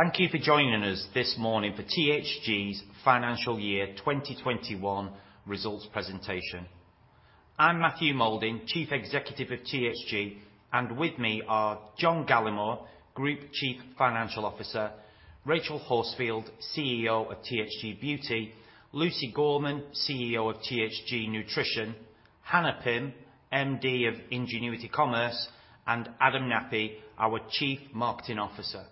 Thank you for joining us this morning for THG's financial year 2021 results presentation. I'm Matthew Moulding, Chief Executive of THG, and with me are John Gallemore, Group Chief Financial Officer, Rachel Horsefield, CEO of THG Beauty, Lucy Gorman, CEO of THG Nutrition, Hannah Pym, MD of Ingenuity Commerce, and Adam Knappy, our Chief Marketing Officer.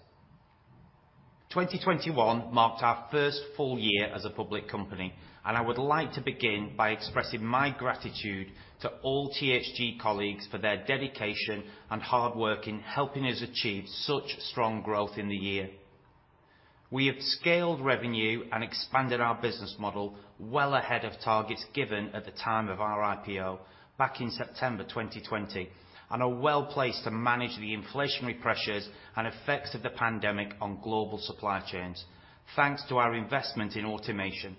2021 marked our first full year as a public company, and I would like to begin by expressing my gratitude to all THG colleagues for their dedication and hard work in helping us achieve such strong growth in the year. We have scaled revenue and expanded our business model well ahead of targets given at the time of our IPO back in September 2020, and are well placed to manage the inflationary pressures and effects of the pandemic on global supply chains thanks to our investment in automation.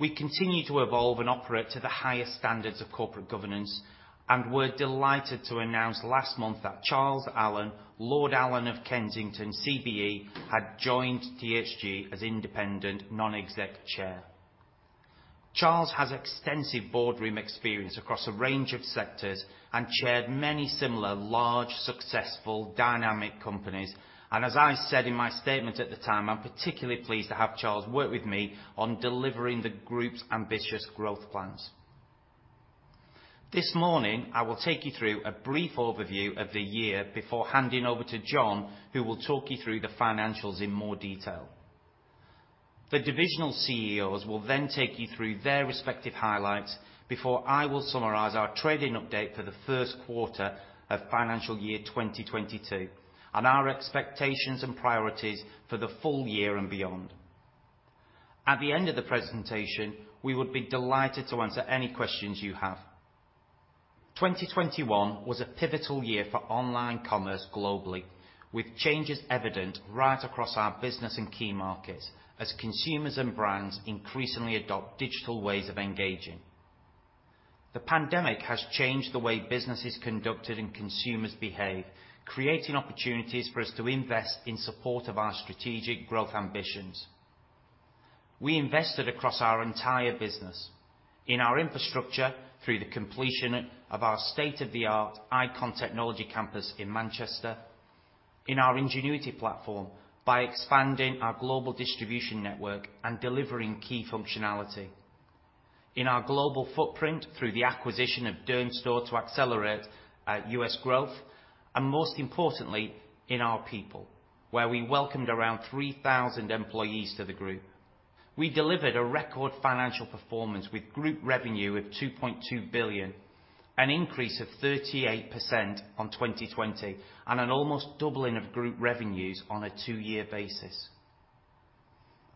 We continue to evolve and operate to the highest standards of corporate governance and were delighted to announce last month that Charles Allen, Lord Allen of Kensington CBE, had joined THG as independent non-exec Chair. Charles has extensive boardroom experience across a range of sectors and chaired many similar large, successful dynamic companies. As I said in my statement at the time, I'm particularly pleased to have Charles work with me on delivering the group's ambitious growth plans. This morning I will take you through a brief overview of the year before handing over to John, who will talk you through the financials in more detail. The divisional CEOs will then take you through their respective highlights before I will summarize our trading update for the first quarter of financial year 2022, and our expectations and priorities for the full year and beyond. At the end of the presentation, we would be delighted to answer any questions you have. 2021 was a pivotal year for online commerce globally, with changes evident right across our business and key markets as consumers and brands increasingly adopt digital ways of engaging. The pandemic has changed the way business is conducted and consumers behave, creating opportunities for us to invest in support of our strategic growth ambitions. We invested across our entire business. In our infrastructure through the completion of our state-of-the-art Icon Technology campus in Manchester. In our Ingenuity platform by expanding our global distribution network and delivering key functionality. In our global footprint through the acquisition of Dermstore to accelerate U.S. growth, and most importantly, in our people, where we welcomed around 3,000 employees to the group. We delivered a record financial performance with group revenue of 2.2 billion, an increase of 38% on 2020, and an almost doubling of group revenues on a two-year basis.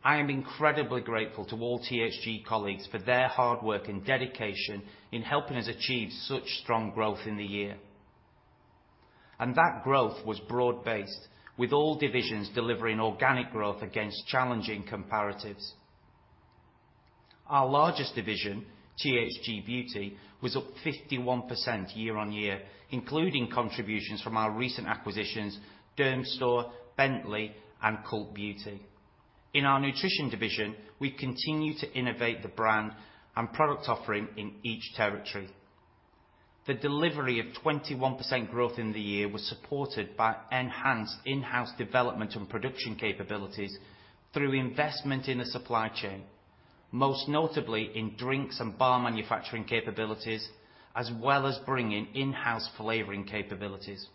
I am incredibly grateful to all THG colleagues for their hard work and dedication in helping us achieve such strong growth in the year. That growth was broad-based, with all divisions delivering organic growth against challenging comparatives. Our largest division, THG Beauty, was up 51% year-on-year, including contributions from our recent acquisitions, Dermstore, Bentley and Cult Beauty. In our Nutrition division, we continue to innovate the brand and product offering in each territory. The delivery of 21% growth in the year was supported by enhanced in-house development and production capabilities through investment in the supply chain, most notably in drinks and bar manufacturing capabilities, as well as bringing in-house flavoring capabilities.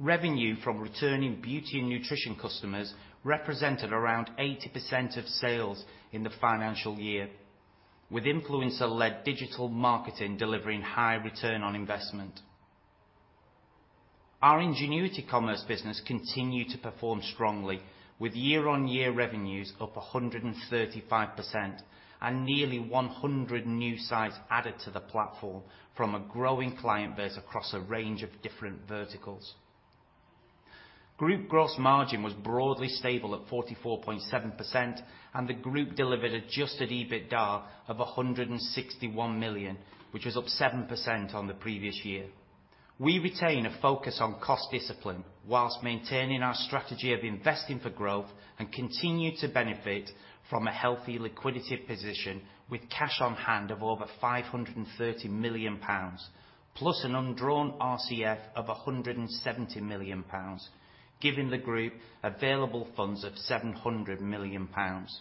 Revenue from returning beauty and nutrition customers represented around 80% of sales in the financial year, with influencer-led digital marketing delivering high return on investment. Our Ingenuity Commerce business continued to perform strongly with year-on-year revenues up 135% and nearly 100 new sites added to the platform from a growing client base across a range of different verticals. Group gross margin was broadly stable at 44.7%, and the group delivered adjusted EBITDA of 161 million, which was up 7% on the previous year. We retain a focus on cost discipline while maintaining our strategy of investing for growth and continue to benefit from a healthy liquidity position with cash on hand of over 530 million pounds, plus an undrawn RCF of 170 million pounds, giving the group available funds of 700 million pounds.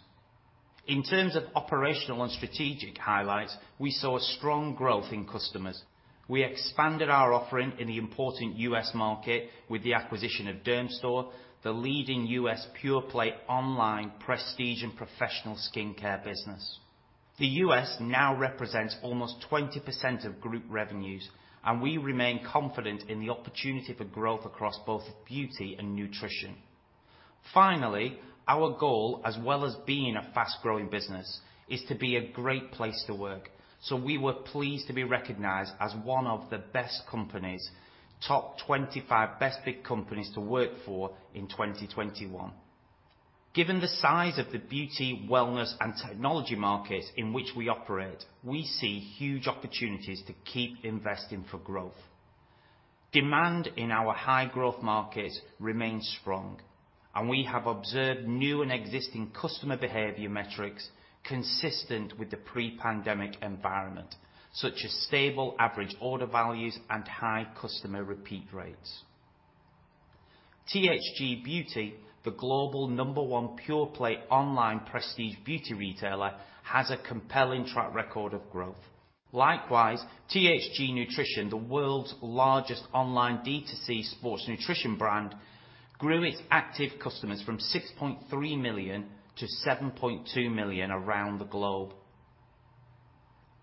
In terms of operational and strategic highlights, we saw a strong growth in customers. We expanded our offering in the important U.S. market with the acquisition of Dermstore, the leading U.S. pure play online prestige and professional skincare business. The U.S. now represents almost 20% of group revenues, and we remain confident in the opportunity for growth across both beauty and nutrition. Finally, our goal as well as being a fast-growing business is to be a great place to work. We were pleased to be recognized as one of the best companies, top 25 best big companies to work for in 2021. Given the size of the beauty, wellness, and technology markets in which we operate, we see huge opportunities to keep investing for growth. Demand in our high-growth markets remains strong, and we have observed new and existing customer behavior metrics consistent with the pre-pandemic environment, such as stable average order values and high customer repeat rates. THG Beauty, the global number one pure-play online prestige beauty retailer, has a compelling track record of growth. Likewise, THG Nutrition, the world's largest online D2C sports nutrition brand, grew its active customers from 6.3 million-7.2 million around the globe.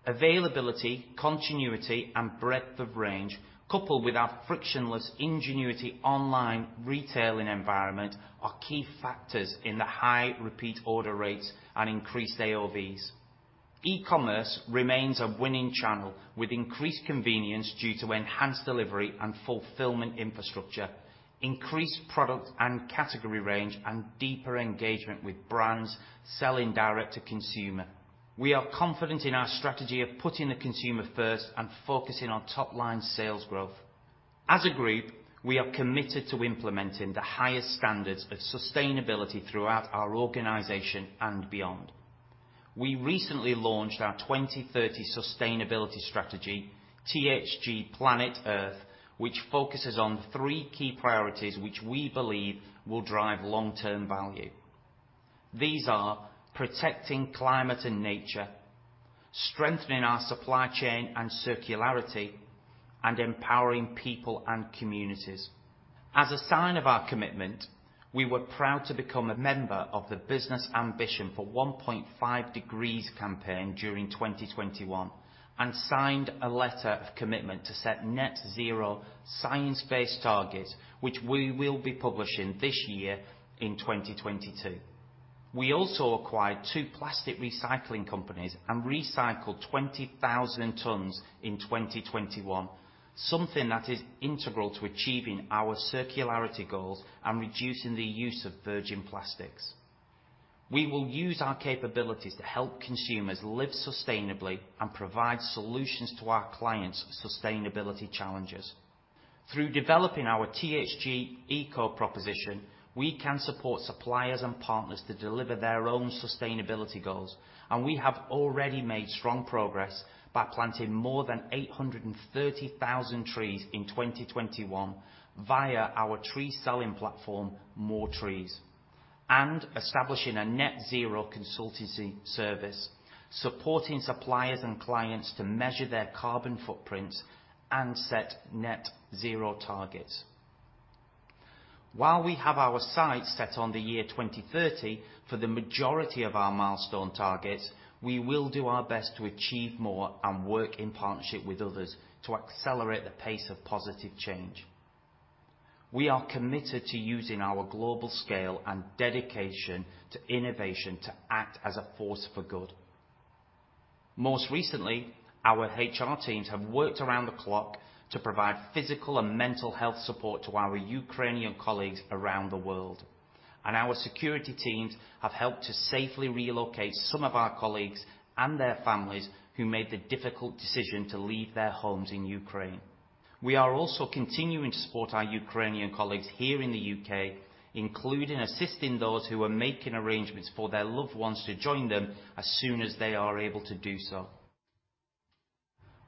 Availability, continuity, and breadth of range, coupled with our frictionless Ingenuity online retailing environment, are key factors in the high repeat order rates and increased AOVs. E-commerce remains a winning channel with increased convenience due to enhanced delivery and fulfillment infrastructure, increased product and category range, and deeper engagement with brands selling direct to consumer. We are confident in our strategy of putting the consumer first and focusing on top-line sales growth. As a group, we are committed to implementing the highest standards of sustainability throughout our organization and beyond. We recently launched our 2030 sustainability strategy, THG x Planet Earth, which focuses on three key priorities which we believe will drive long-term value. These are protecting climate and nature, strengthening our supply chain and circularity, and empowering people and communities. As a sign of our commitment, we were proud to become a member of the Business Ambition for 1.5 Degree Campaign during 2021 and signed a letter of commitment to set net zero science-based targets, which we will be publishing this year in 2022. We also acquired two plastic recycling companies and recycled 20,000 tons in 2021, something that is integral to achieving our circularity goals and reducing the use of virgin plastics. We will use our capabilities to help consumers live sustainably and provide solutions to our clients' sustainability challenges. Through developing our THG Eco proposition, we can support suppliers and partners to deliver their own sustainability goals, and we have already made strong progress by planting more than 830,000 trees in 2021 via our tree-selling platform, More Trees, and establishing a net zero consultancy service, supporting suppliers and clients to measure their carbon footprints and set net zero targets. While we have our sights set on the year 2030 for the majority of our milestone targets, we will do our best to achieve more and work in partnership with others to accelerate the pace of positive change. We are committed to using our global scale and dedication to innovation to act as a force for good. Most recently, our HR teams have worked around the clock to provide physical and mental health support to our Ukrainian colleagues around the world, and our security teams have helped to safely relocate some of our colleagues and their families who made the difficult decision to leave their homes in Ukraine. We are also continuing to support our Ukrainian colleagues here in the U.K., including assisting those who are making arrangements for their loved ones to join them as soon as they are able to do so.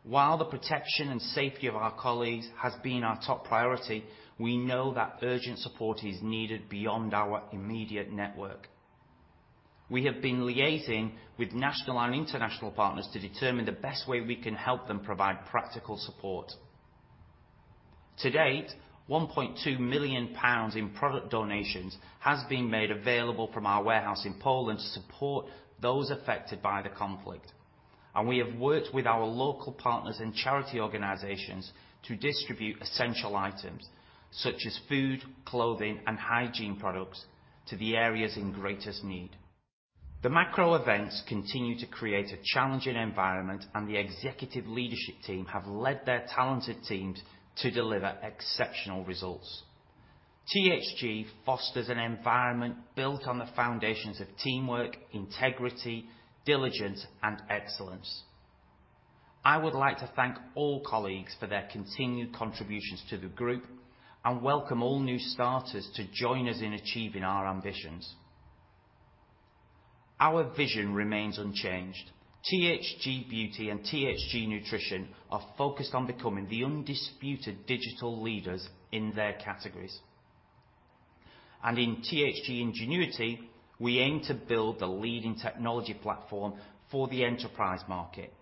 While the protection and safety of our colleagues has been our top priority, we know that urgent support is needed beyond our immediate network. We have been liaising with national and international partners to determine the best way we can help them provide practical support. To date, 1.2 million pounds in product donations has been made available from our warehouse in Poland to support those affected by the conflict. We have worked with our local partners and charity organizations to distribute essential items such as food, clothing, and hygiene products to the areas in greatest need. The macro events continue to create a challenging environment, and the executive leadership team have led their talented teams to deliver exceptional results. THG fosters an environment built on the foundations of teamwork, integrity, diligence, and excellence. I would like to thank all colleagues for their continued contributions to the group and welcome all new starters to join us in achieving our ambitions. Our vision remains unchanged. THG Beauty and THG Nutrition are focused on becoming the undisputed digital leaders in their categories. In THG Ingenuity, we aim to build the leading technology platform for the enterprise market,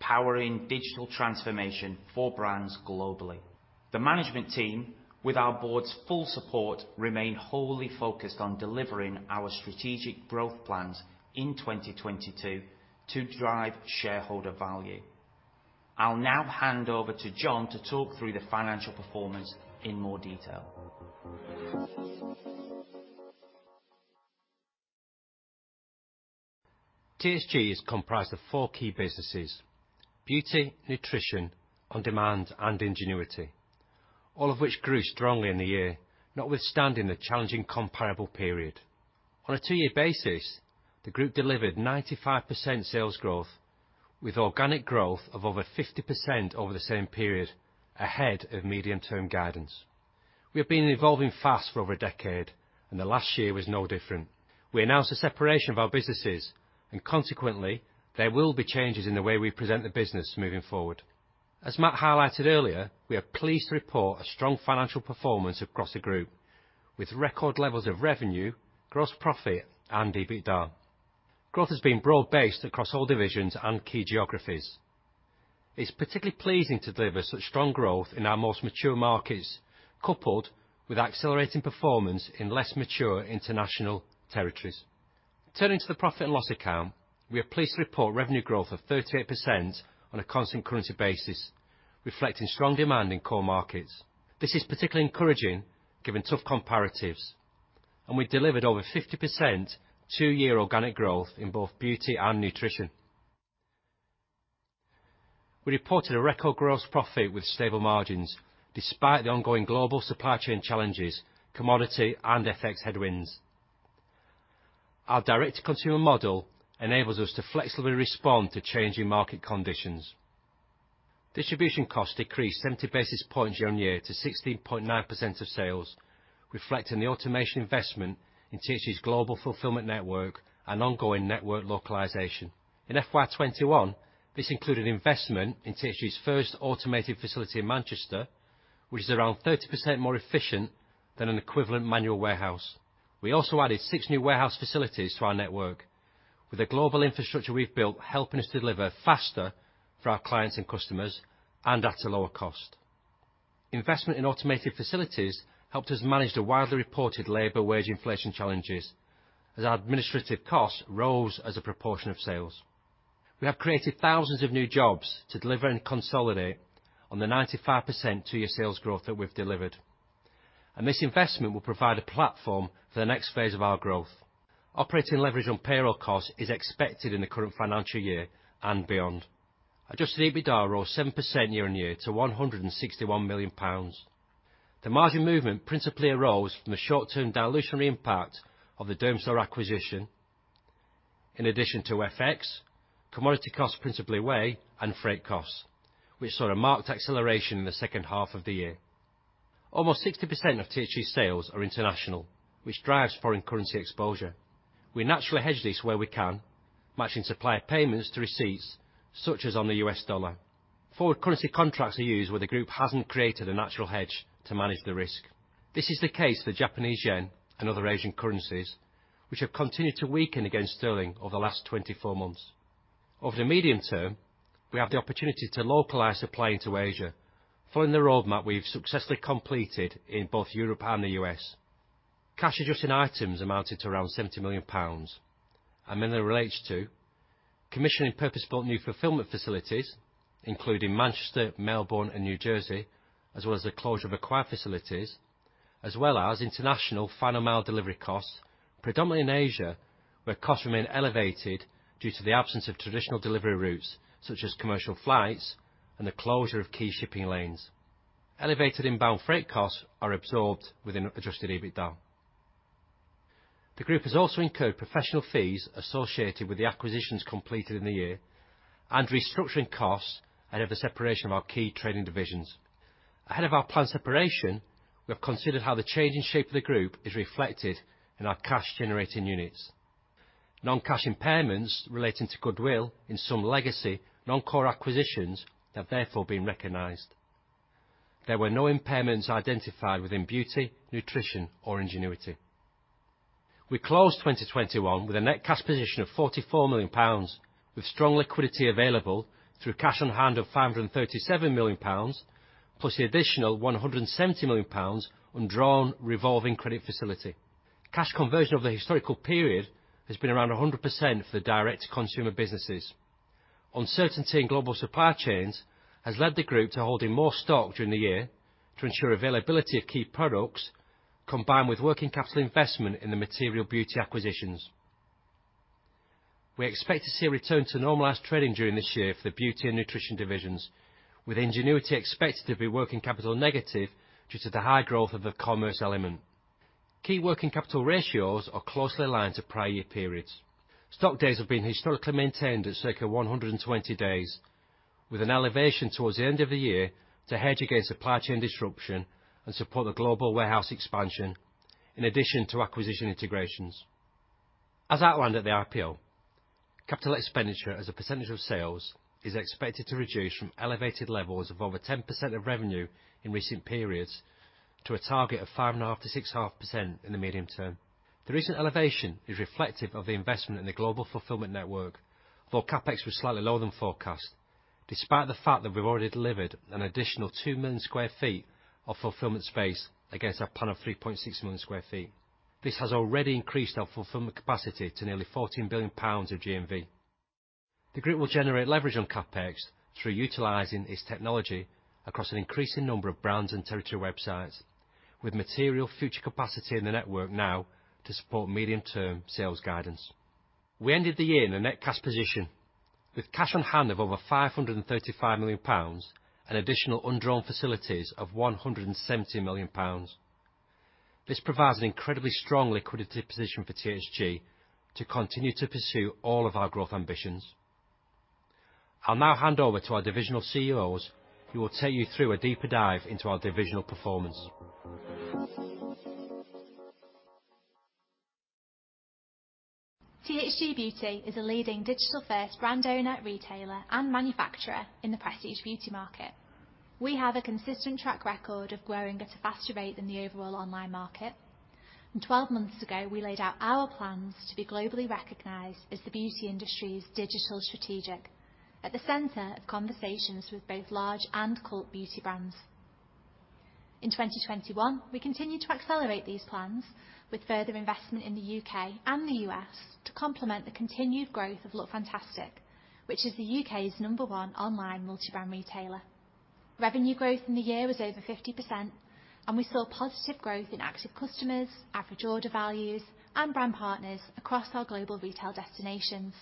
powering digital transformation for brands globally. The management team, with our board's full support, remain wholly focused on delivering our strategic growth plans in 2022 to drive shareholder value. I'll now hand over to John to talk through the financial performance in more detail. THG is comprised of four key businesses, Beauty, Nutrition, On-Demand, and Ingenuity. All of which grew strongly in the year, notwithstanding the challenging comparable period. On a two-year basis, the group delivered 95% sales growth with organic growth of over 50% over the same period, ahead of medium-term guidance. We have been evolving fast for over a decade, and the last year was no different. We announced the separation of our businesses and consequently, there will be changes in the way we present the business moving forward. As Matt highlighted earlier, we are pleased to report a strong financial performance across the group with record levels of revenue, gross profit and EBITDA. Growth has been broad-based across all divisions and key geographies. It's particularly pleasing to deliver such strong growth in our most mature markets, coupled with accelerating performance in less mature international territories. Turning to the profit and loss account, we are pleased to report revenue growth of 38% on a constant currency basis, reflecting strong demand in core markets. This is particularly encouraging given tough comparatives, and we delivered over 50% two-year organic growth in both beauty and nutrition. We reported a record gross profit with stable margins despite the ongoing global supply chain challenges, commodity and FX headwinds. Our direct-to-consumer model enables us to flexibly respond to changing market conditions. Distribution costs decreased 70 basis points year on year to 16.9% of sales, reflecting the automation investment in THG's global fulfillment network and ongoing network localization. In FY 2021, this included investment in THG's first automated facility in Manchester, which is around 30% more efficient than an equivalent manual warehouse. We also added six new warehouse facilities to our network. With the global infrastructure we've built, helping us deliver faster for our clients and customers and at a lower cost. Investment in automated facilities helped us manage the widely reported labor wage inflation challenges as our administrative costs rose as a proportion of sales. We have created thousands of new jobs to deliver and consolidate on the 95% two-year sales growth that we've delivered. This investment will provide a platform for the next phase of our growth. Operating leverage on payroll costs is expected in the current financial year and beyond. Adjusted EBITDA rose 7% year-over-year to 161 million pounds. The margin movement principally arose from the short-term dilutionary impact of the Dermstore acquisition. In addition to FX, commodity costs principally whey and freight costs, which saw a marked acceleration in the second half of the year. Almost 60% of THG sales are international, which drives foreign currency exposure. We naturally hedge this where we can, matching supplier payments to receipts such as on the U.S. dollar. Forward currency contracts are used where the group hasn't created a natural hedge to manage the risk. This is the case for Japanese yen and other Asian currencies, which have continued to weaken against sterling over the last 24 months. Over the medium term, we have the opportunity to localize supply into Asia following the roadmap we've successfully completed in both Europe and the U.S. Cash adjusting items amounted to around 70 million pounds, and mainly relates to commissioning purpose-built new fulfillment facilities, including Manchester, Melbourne and New Jersey, as well as the closure of acquired facilities as well as international final mile delivery costs, predominantly in Asia, where costs remain elevated due to the absence of traditional delivery routes such as commercial flights and the closure of key shipping lanes. Elevated inbound freight costs are absorbed within adjusted EBITDA. The group has also incurred professional fees associated with the acquisitions completed in the year and restructuring costs out of the separation of our key trading divisions. Ahead of our planned separation, we have considered how the changing shape of the group is reflected in our cash generating units. Non-cash impairments relating to goodwill in some legacy non-core acquisitions have therefore been recognized. There were no impairments identified within Beauty, Nutrition, or Ingenuity. We closed 2021 with a net cash position of 44 million pounds, with strong liquidity available through cash on hand of 537 million pounds, plus the additional 170 million pounds undrawn revolving credit facility. Cash conversion over the historical period has been around 100% for the direct-to-consumer businesses. Uncertainty in global supply chains has led the group to holding more stock during the year to ensure availability of key products, combined with working capital investment in the material beauty acquisitions. We expect to see a return to normalized trading during this year for the beauty and nutrition divisions, with Ingenuity expected to be working capital negative due to the high growth of the commerce element. Key working capital ratios are closely aligned to prior year periods. Stock days have been historically maintained at circa 120 days, with an elevation towards the end of the year to hedge against supply chain disruption and support the global warehouse expansion in addition to acquisition integrations. As outlined at the IPO, capital expenditure as a percentage of sales is expected to reduce from elevated levels of over 10% of revenue in recent periods to a target of 5.5%-6% in the medium term. The recent elevation is reflective of the investment in the global fulfillment network, though CapEx was slightly lower than forecast. Despite the fact that we've already delivered an additional 2 million sq ft of fulfillment space against our plan of 3.6 million sq ft. This has already increased our fulfillment capacity to nearly 14 billion pounds of GMV. The group will generate leverage on CapEx through utilizing its technology across an increasing number of brands and territory websites with material future capacity in the network now to support medium-term sales guidance. We ended the year in a net cash position with cash on hand of over 535 million pounds and additional undrawn facilities of 170 million pounds. This provides an incredibly strong liquidity position for THG to continue to pursue all of our growth ambitions. I'll now hand over to our divisional CEOs, who will take you through a deeper dive into our divisional performance. THG Beauty is a leading digital-first brand owner, retailer, and manufacturer in the prestige beauty market. We have a consistent track record of growing at a faster rate than the overall online market. 12 months ago, we laid out our plans to be globally recognized as the beauty industry's digital strategist at the center of conversations with both large and cult beauty brands. In 2021, we continued to accelerate these plans with further investment in the U.K. and the U.S. to complement the continued growth of Lookfantastic, which is the U.K.'s number one online multi-brand retailer. Revenue growth in the year was over 50%, and we saw positive growth in active customers, average order values, and brand partners across our global retail destinations.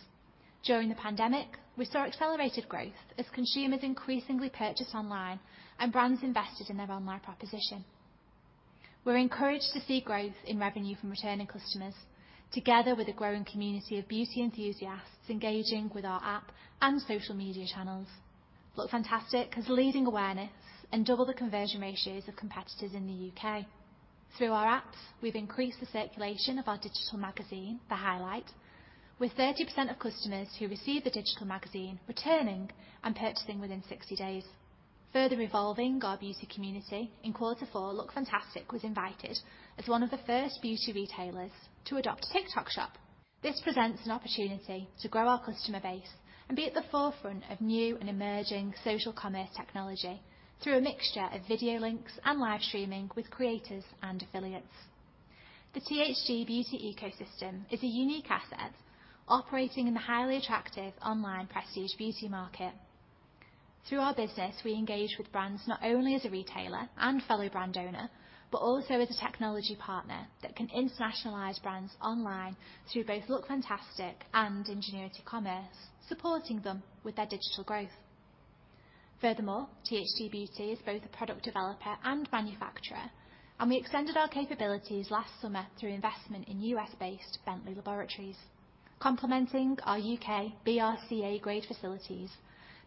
During the pandemic, we saw accelerated growth as consumers increasingly purchased online and brands invested in their online proposition. We're encouraged to see growth in revenue from returning customers, together with a growing community of beauty enthusiasts engaging with our app and social media channels. Lookfantastic has leading awareness and double the conversion ratios of competitors in the U,K. Through our apps, we've increased the circulation of our digital magazine, The Highlight, with 30% of customers who receive the digital magazine returning and purchasing within 60 days. Further evolving our beauty community, in quarter four, Lookfantastic was invited as one of the first beauty retailers to adopt TikTok Shop. This presents an opportunity to grow our customer base and be at the forefront of new and emerging social commerce technology through a mixture of video links and live streaming with creators and affiliates. The THG Beauty ecosystem is a unique asset operating in the highly attractive online prestige beauty market. Through our business, we engage with brands not only as a retailer and fellow brand owner, but also as a technology partner that can internationalize brands online through both Lookfantastic and Ingenuity Commerce, supporting them with their digital growth. Furthermore, THG Beauty is both a product developer and manufacturer, and we extended our capabilities last summer through investment in U.S.-based Bentley Laboratories. Complementing our U.K. BRC-A grade facilities,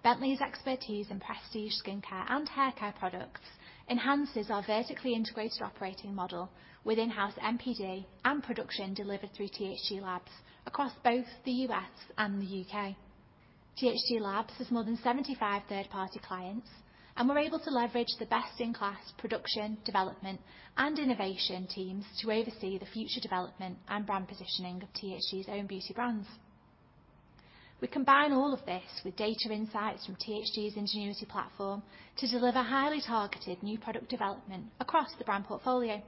Bentley's expertise in prestige skincare and haircare products enhances our vertically integrated operating model with in-house MPD and production delivered through THG LABS across both the U.S. and the U.K. THG LABS has more than 75 third-party clients, and we're able to leverage the best-in-class production, development, and innovation teams to oversee the future development and brand positioning of THG's own beauty brands. We combine all of this with data insights from THG Ingenuity platform to deliver highly targeted new product development across the brand portfolio.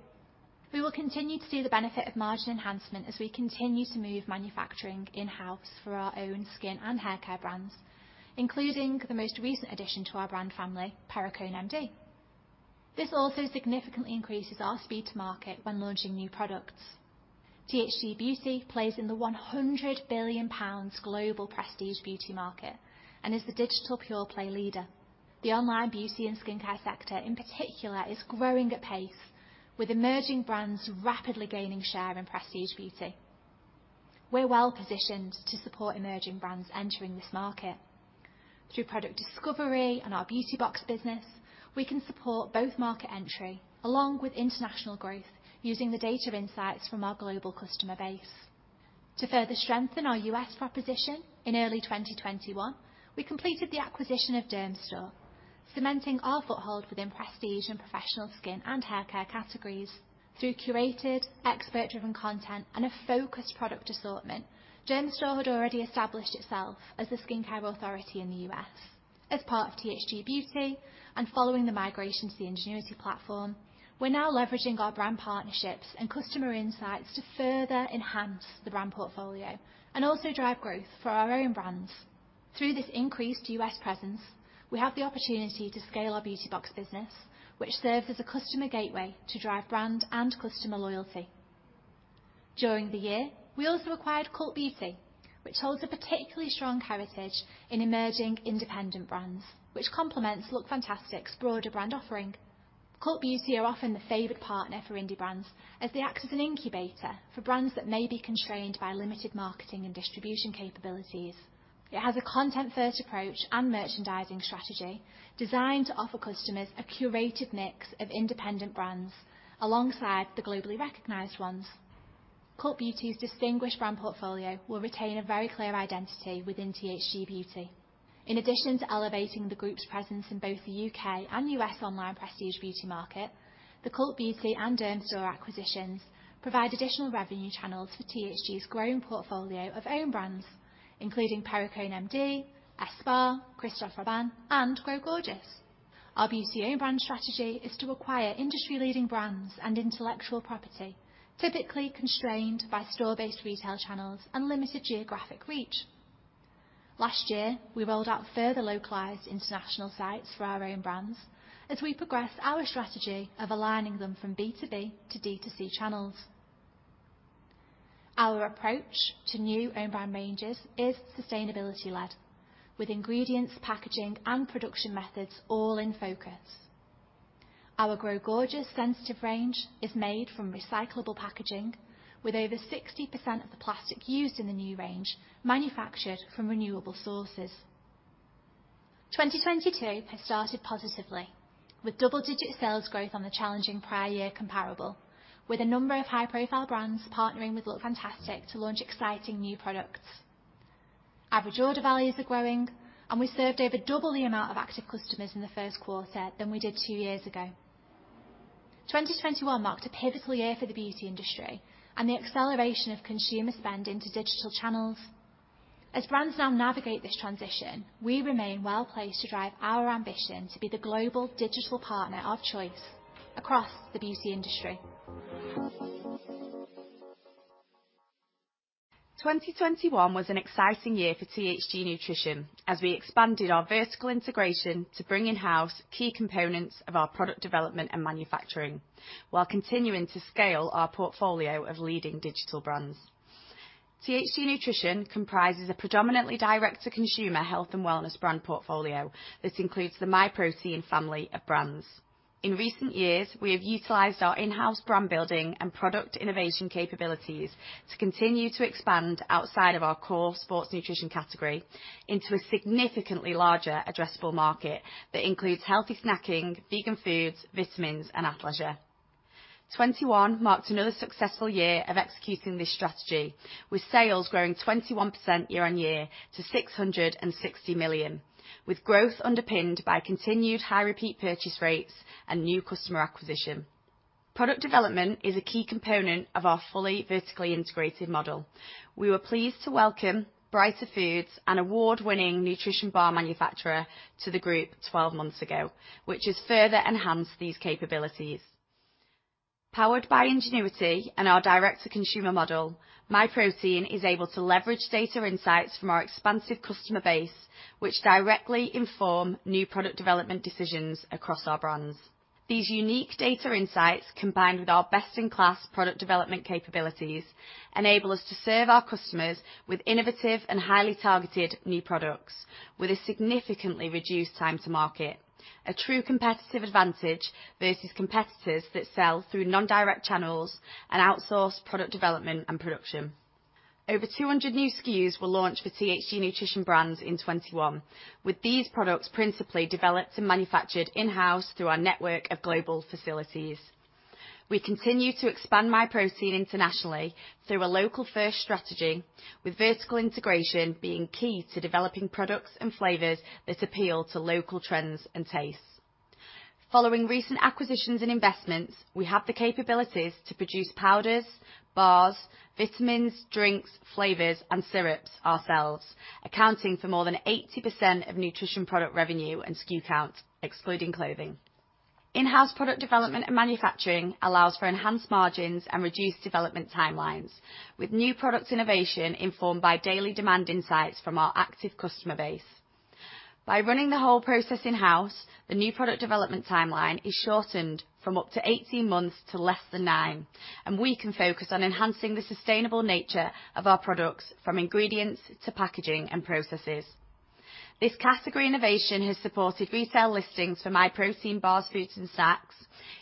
We will continue to see the benefit of margin enhancement as we continue to move manufacturing in-house for our own skin and haircare brands, including the most recent addition to our brand family, Perricone MD. This also significantly increases our speed to market when launching new products. THG Beauty plays in the 100 billion pounds global prestige beauty market and is the digital pure-play leader. The online beauty and skincare sector, in particular, is growing at pace with emerging brands rapidly gaining share in prestige beauty. We're well-positioned to support emerging brands entering this market. Through product discovery and our beauty box business, we can support both market entry along with international growth using the data insights from our global customer base. To further strengthen our U.S. proposition, in early 2021, we completed the acquisition of Dermstore, cementing our foothold within prestige and professional skin and haircare categories through curated expert-driven content and a focused product assortment. Dermstore had already established itself as the skincare authority in the U.S. As part of THG Beauty and following the migration to the Ingenuity platform, we're now leveraging our brand partnerships and customer insights to further enhance the brand portfolio and also drive growth for our own brands. Through this increased U.S. presence, we have the opportunity to scale our beauty box business, which serves as a customer gateway to drive brand and customer loyalty. During the year, we also acquired Cult Beauty, which holds a particularly strong heritage in emerging independent brands, which complements Lookfantastic's broader brand offering. Cult Beauty are often the favored partner for indie brands as they act as an incubator for brands that may be constrained by limited marketing and distribution capabilities. It has a content-first approach and merchandising strategy designed to offer customers a curated mix of independent brands alongside the globally recognized ones. Cult Beauty's distinguished brand portfolio will retain a very clear identity within THG Beauty. In addition to elevating the group's presence in both the U.K. and U.S. online prestige beauty market, the Cult Beauty and Dermstore acquisitions provide additional revenue channels for THG's growing portfolio of own brands, including Perricone MD, ESPA, Christophe Robin, and Grow Gorgeous. Our BCO brand strategy is to acquire industry-leading brands and intellectual property, typically constrained by store-based retail channels and limited geographic reach. Last year, we rolled out further localized international sites for our own brands as we progress our strategy of aligning them from B2B to D2C channels. Our approach to new own brand ranges is sustainability led with ingredients, packaging and production methods all in focus. Our Grow Gorgeous Sensitive range is made from recyclable packaging with over 60% of the plastic used in the new range manufactured from renewable sources. 2022 has started positively with double-digit sales growth on the challenging prior year comparable with a number of high-profile brands partnering with Lookfantastic to launch exciting new products. Average order values are growing, and we served over double the amount of active customers in the first quarter than we did two years ago. 2021 marked a pivotal year for the beauty industry and the acceleration of consumer spend into digital channels. As brands now navigate this transition, we remain well-placed to drive our ambition to be the global digital partner of choice across the beauty industry. 2021 was an exciting year for THG Nutrition as we expanded our vertical integration to bring in-house key components of our product development and manufacturing, while continuing to scale our portfolio of leading digital brands. THG Nutrition comprises a predominantly direct-to-consumer health and wellness brand portfolio that includes the Myprotein family of brands. In recent years, we have utilized our in-house brand building and product innovation capabilities to continue to expand outside of our core sports nutrition category into a significantly larger addressable market that includes healthy snacking, vegan foods, vitamins, and athleisure. 2021 marked another successful year of executing this strategy, with sales growing 21% year-on-year to 660 million, with growth underpinned by continued high repeat purchase rates and new customer acquisition. Product development is a key component of our fully vertically integrated model. We were pleased to welcome Brighter Foods, an award-winning nutrition bar manufacturer to the group 12 months ago, which has further enhanced these capabilities. Powered by ingenuity and our direct-to-consumer model, Myprotein is able to leverage data insights from our expansive customer base, which directly inform new product development decisions across our brands. These unique data insights, combined with our best-in-class product development capabilities, enable us to serve our customers with innovative and highly targeted new products with a significantly reduced time to market, a true competitive advantage versus competitors that sell through non-direct channels and outsource product development and production. Over 200 new SKUs were launched for THG Nutrition brands in 2021, with these products principally developed and manufactured in-house through our network of global facilities. We continue to expand Myprotein internationally through a local-first strategy, with vertical integration being key to developing products and flavors that appeal to local trends and tastes. Following recent acquisitions and investments, we have the capabilities to produce powders, bars, vitamins, drinks, flavors, and syrups ourselves, accounting for more than 80% of nutrition product revenue and SKU count, excluding clothing. In-house product development and manufacturing allows for enhanced margins and reduced development timelines with new product innovation informed by daily demand insights from our active customer base. By running the whole process in-house, the new product development timeline is shortened from up to 18 months to less than nine, and we can focus on enhancing the sustainable nature of our products from ingredients to packaging and processes. This category innovation has supported retail listings for Myprotein bars, foods, and snacks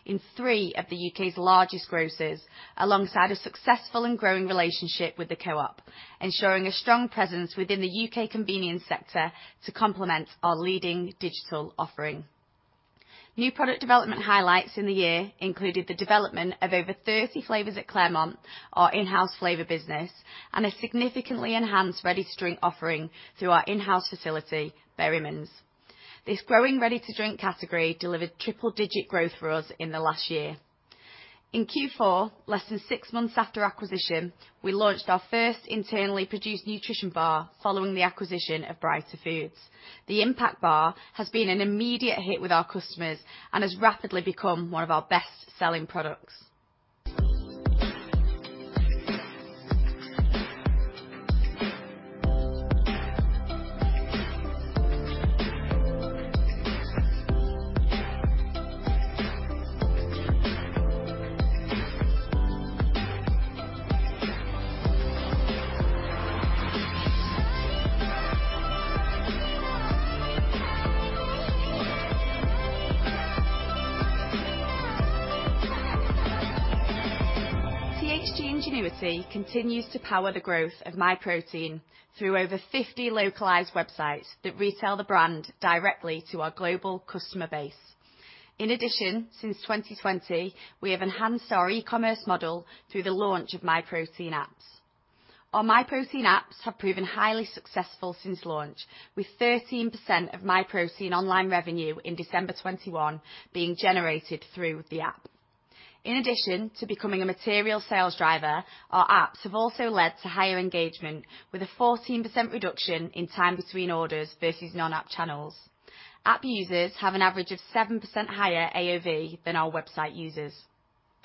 in 3 of the U.K.'s largest grocers, alongside a successful and growing relationship with the Co-op, ensuring a strong presence within the U.K. convenience sector to complement our leading digital offering. New product development highlights in the year included the development of over 30 flavors at Claremont, our in-house flavor business, and a significantly enhanced ready-to-drink offering through our in-house facility, Berryman's. This growing ready-to-drink category delivered triple-digit growth for us in the last year. In Q4, less than six months after acquisition, we launched our first internally produced nutrition bar following the acquisition of Brighter Foods. The Impact Bar has been an immediate hit with our customers and has rapidly become one of our best-selling products. THG Ingenuity continues to power the growth of Myprotein through over 50 localized websites that retail the brand directly to our global customer base. In addition, since 2020, we have enhanced our e-commerce model through the launch of Myprotein apps. Our Myprotein apps have proven highly successful since launch, with 13% of Myprotein online revenue in December 2021 being generated through the app. In addition to becoming a material sales driver, our apps have also led to higher engagement with a 14% reduction in time between orders versus non-app channels. App users have an average of 7% higher AOV than our website users.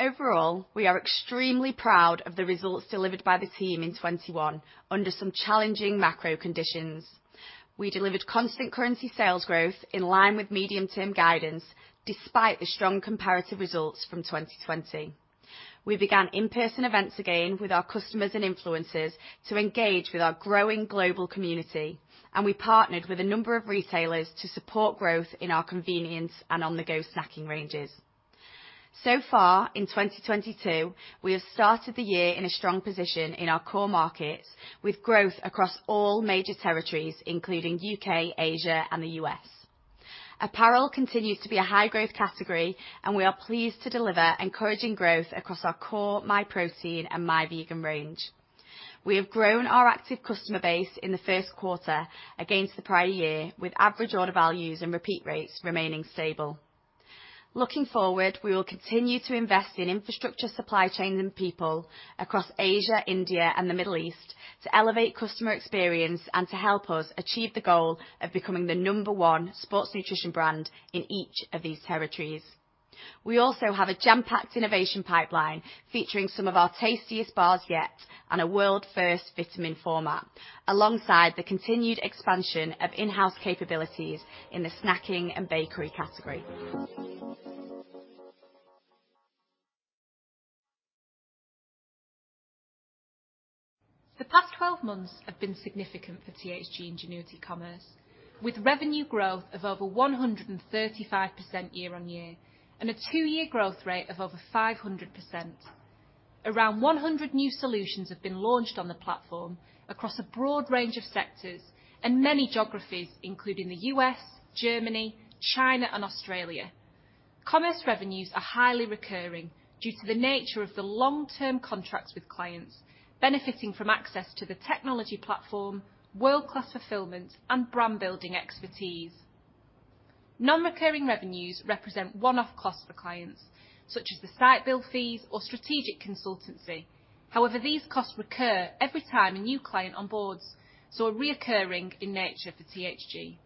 Overall, we are extremely proud of the results delivered by the team in 2021 under some challenging macro conditions. We delivered constant currency sales growth in line with medium term guidance despite the strong comparative results from 2020. We began in-person events again with our customers and influencers to engage with our growing global community, and we partnered with a number of retailers to support growth in our convenience and on-the-go snacking ranges. So far in 2022, we have started the year in a strong position in our core markets with growth across all major territories, including U.K., Asia and the U.S. Apparel continues to be a high growth category, and we are pleased to deliver encouraging growth across our core Myprotein and Myvegan range. We have grown our active customer base in the first quarter against the prior year, with average order values and repeat rates remaining stable. Looking forward, we will continue to invest in infrastructure, supply chain and people across Asia, India and the Middle East to elevate customer experience and to help us achieve the goal of becoming the number one sports nutrition brand in each of these territories. We also have a jam-packed innovation pipeline featuring some of our tastiest bars yet and a world first vitamin format, alongside the continued expansion of in-house capabilities in the snacking and bakery category. The past 12 months have been significant for THG Ingenuity Commerce, with revenue growth of over 135% year-on-year and a two-year growth rate of over 500%. Around 100 new solutions have been launched on the platform across a broad range of sectors and many geographies, including the U.S., Germany, China and Australia. Commerce revenues are highly recurring due to the nature of the long-term contracts with clients benefiting from access to the technology platform, world-class fulfillment and brand building expertise. Non-recurring revenues represent one-off costs for clients such as the site build fees or strategic consultancy. However, these costs recur every time a new client onboards, so are recurring in nature for THG.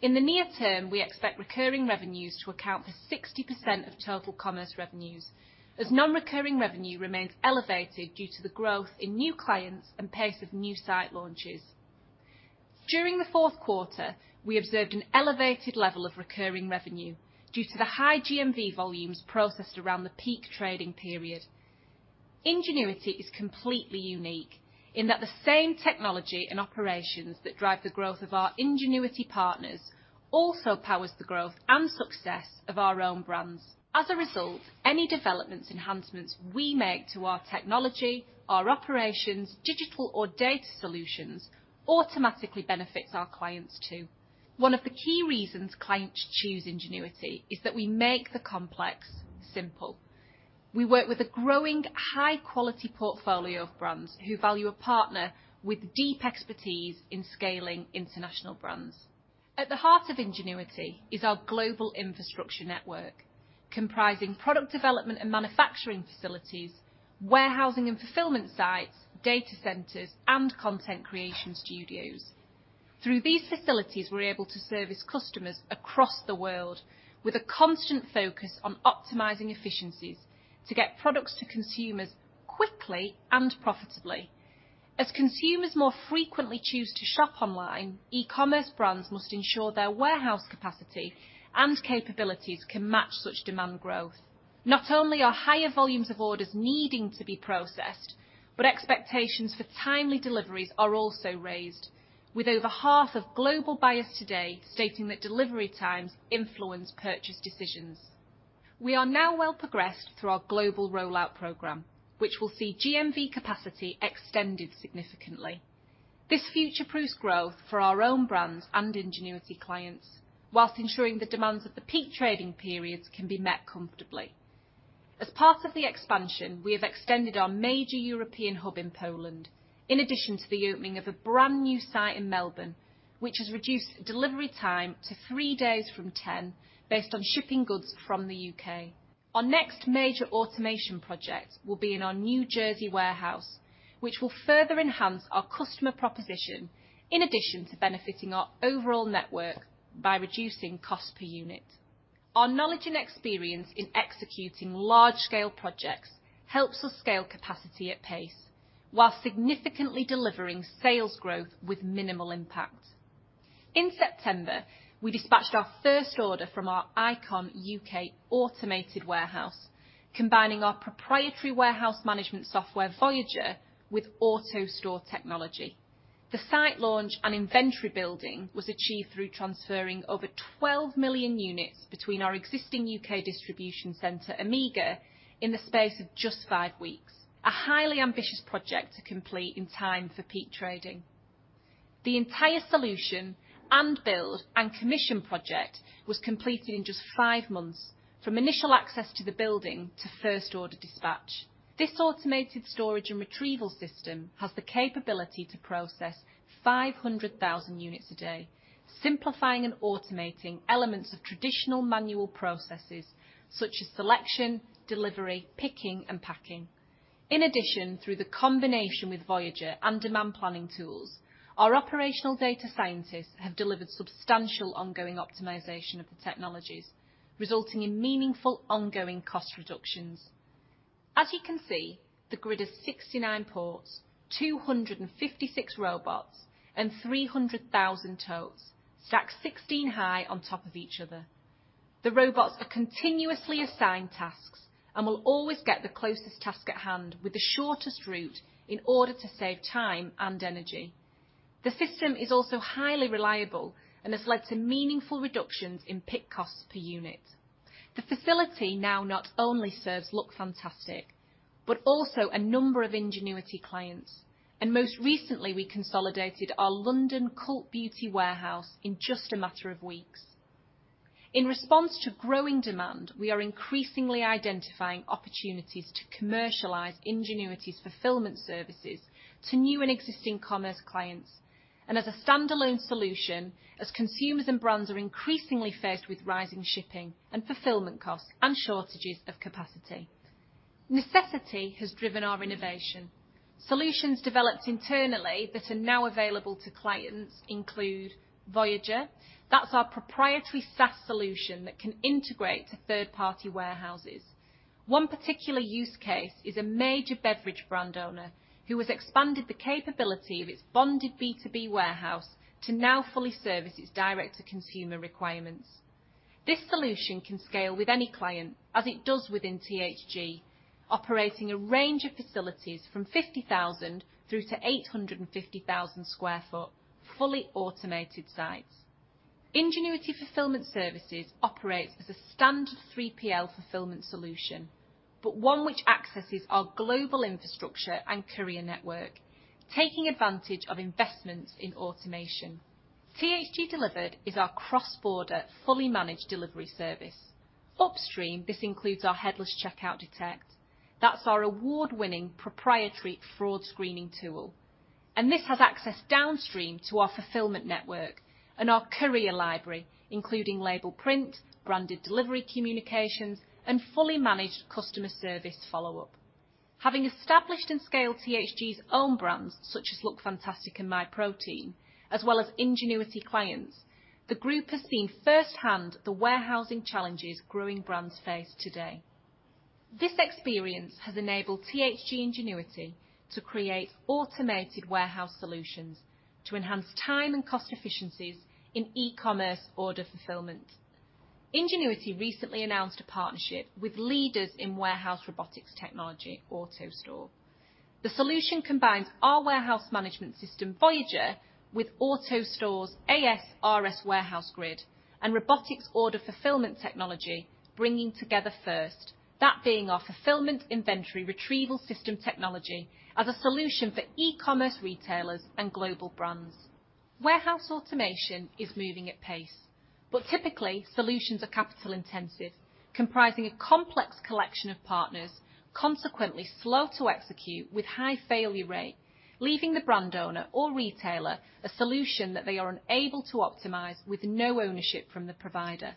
In the near term, we expect recurring revenues to account for 60% of total commerce revenues as non-recurring revenue remains elevated due to the growth in new clients and pace of new site launches. During the fourth quarter, we observed an elevated level of recurring revenue due to the high GMV volumes processed around the peak trading period. Ingenuity is completely unique in that the same technology and operations that drive the growth of our Ingenuity partners also powers the growth and success of our own brands. As a result, any developments, enhancements we make to our technology, our operations, digital or data solutions automatically benefits our clients too. One of the key reasons clients choose Ingenuity is that we make the complex simple. We work with a growing high quality portfolio of brands who value a partner with deep expertise in scaling international brands. At the heart of Ingenuity is our global infrastructure network, comprising product development and manufacturing facilities, warehousing and fulfillment sites, data centers and content creation studios. Through these facilities, we're able to service customers across the world with a constant focus on optimizing efficiencies to get products to consumers quickly and profitably. As consumers more frequently choose to shop online, e-commerce brands must ensure their warehouse capacity and capabilities can match such demand growth. Not only are higher volumes of orders needing to be processed, but expectations for timely deliveries are also raised, with over half of global buyers today stating that delivery times influence purchase decisions. We are now well progressed through our global rollout program, which will see GMV capacity extended significantly. This future-proofs growth for our own brands and Ingenuity clients, while ensuring the demands of the peak trading periods can be met comfortably. As part of the expansion, we have extended our major European hub in Poland. In addition to the opening of a brand new site in Melbourne, which has reduced delivery time to three days from 10 based on shipping goods from the U.K. Our next major automation project will be in our New Jersey warehouse, which will further enhance our customer proposition in addition to benefiting our overall network by reducing cost per unit. Our knowledge and experience in executing large scale projects helps us scale capacity at pace, while significantly delivering sales growth with minimal impact. In September, we dispatched our first order from our Icon U.K. automated warehouse, combining our proprietary warehouse management software, Voyager, with AutoStore technology. The site launch and inventory building was achieved through transferring over 12 million units between our existing U.K. distribution center, Omega, in the space of just five weeks, a highly ambitious project to complete in time for peak trading. The entire solution and build and commission project was completed in just five months from initial access to the building to first order dispatch. This automated storage and retrieval system has the capability to process 500,000 units a day, simplifying and automating elements of traditional manual processes such as selection, delivery, picking and packing. In addition, through the combination with Voyager and demand planning tools, our operational data scientists have delivered substantial ongoing optimization of the technologies, resulting in meaningful ongoing cost reductions. As you can see, the grid is 69 ports, 256 robots, and 300,000 totes stacked 16 high on top of each other. The robots are continuously assigned tasks and will always get the closest task at hand with the shortest route in order to save time and energy. The system is also highly reliable and has led to meaningful reductions in pick costs per unit. The facility now not only serves Lookfantastic, but also a number of Ingenuity clients, and most recently, we consolidated our London Cult Beauty warehouse in just a matter of weeks. In response to growing demand, we are increasingly identifying opportunities to commercialize Ingenuity's fulfillment services to new and existing commerce clients and as a standalone solution, as consumers and brands are increasingly faced with rising shipping and fulfillment costs and shortages of capacity. Necessity has driven our innovation. Solutions developed internally that are now available to clients include Voyager. That's our proprietary SaaS solution that can integrate to third-party warehouses. One particular use case is a major beverage brand owner who has expanded the capability of its bonded B2B warehouse to now fully service its direct-to-consumer requirements. This solution can scale with any client as it does within THG, operating a range of facilities from 50,000 through to 850,000 sq ft, fully automated sites. Ingenuity Fulfillment Services operates as a standard 3PL fulfillment solution, but one which accesses our global infrastructure and carrier network, taking advantage of investments in automation. THG Delivered is our cross-border, fully managed delivery service. Upstream, this includes our headless checkout tech. That's our award-winning proprietary fraud screening tool, and this has access downstream to our fulfillment network and our carrier library, including label print, branded delivery communications, and fully managed customer service follow-up. Having established and scaled THG's own brands, such as Lookfantastic and Myprotein, as well as Ingenuity clients, the group has seen firsthand the warehousing challenges growing brands face today. This experience has enabled THG Ingenuity to create automated warehouse solutions to enhance time and cost efficiencies in e-commerce order fulfillment. Ingenuity recently announced a partnership with leaders in warehouse robotics technology, AutoStore. The solution combines our warehouse management system, Voyager, with AutoStore's AS/RS warehouse grid and robotics order fulfillment technology, bringing together first, that being our fulfillment inventory retrieval system technology as a solution for e-commerce retailers and global brands. Warehouse automation is moving at pace, but typically, solutions are capital-intensive, comprising a complex collection of partners, consequently slow to execute with high failure rate, leaving the brand owner or retailer a solution that they are unable to optimize with no ownership from the provider.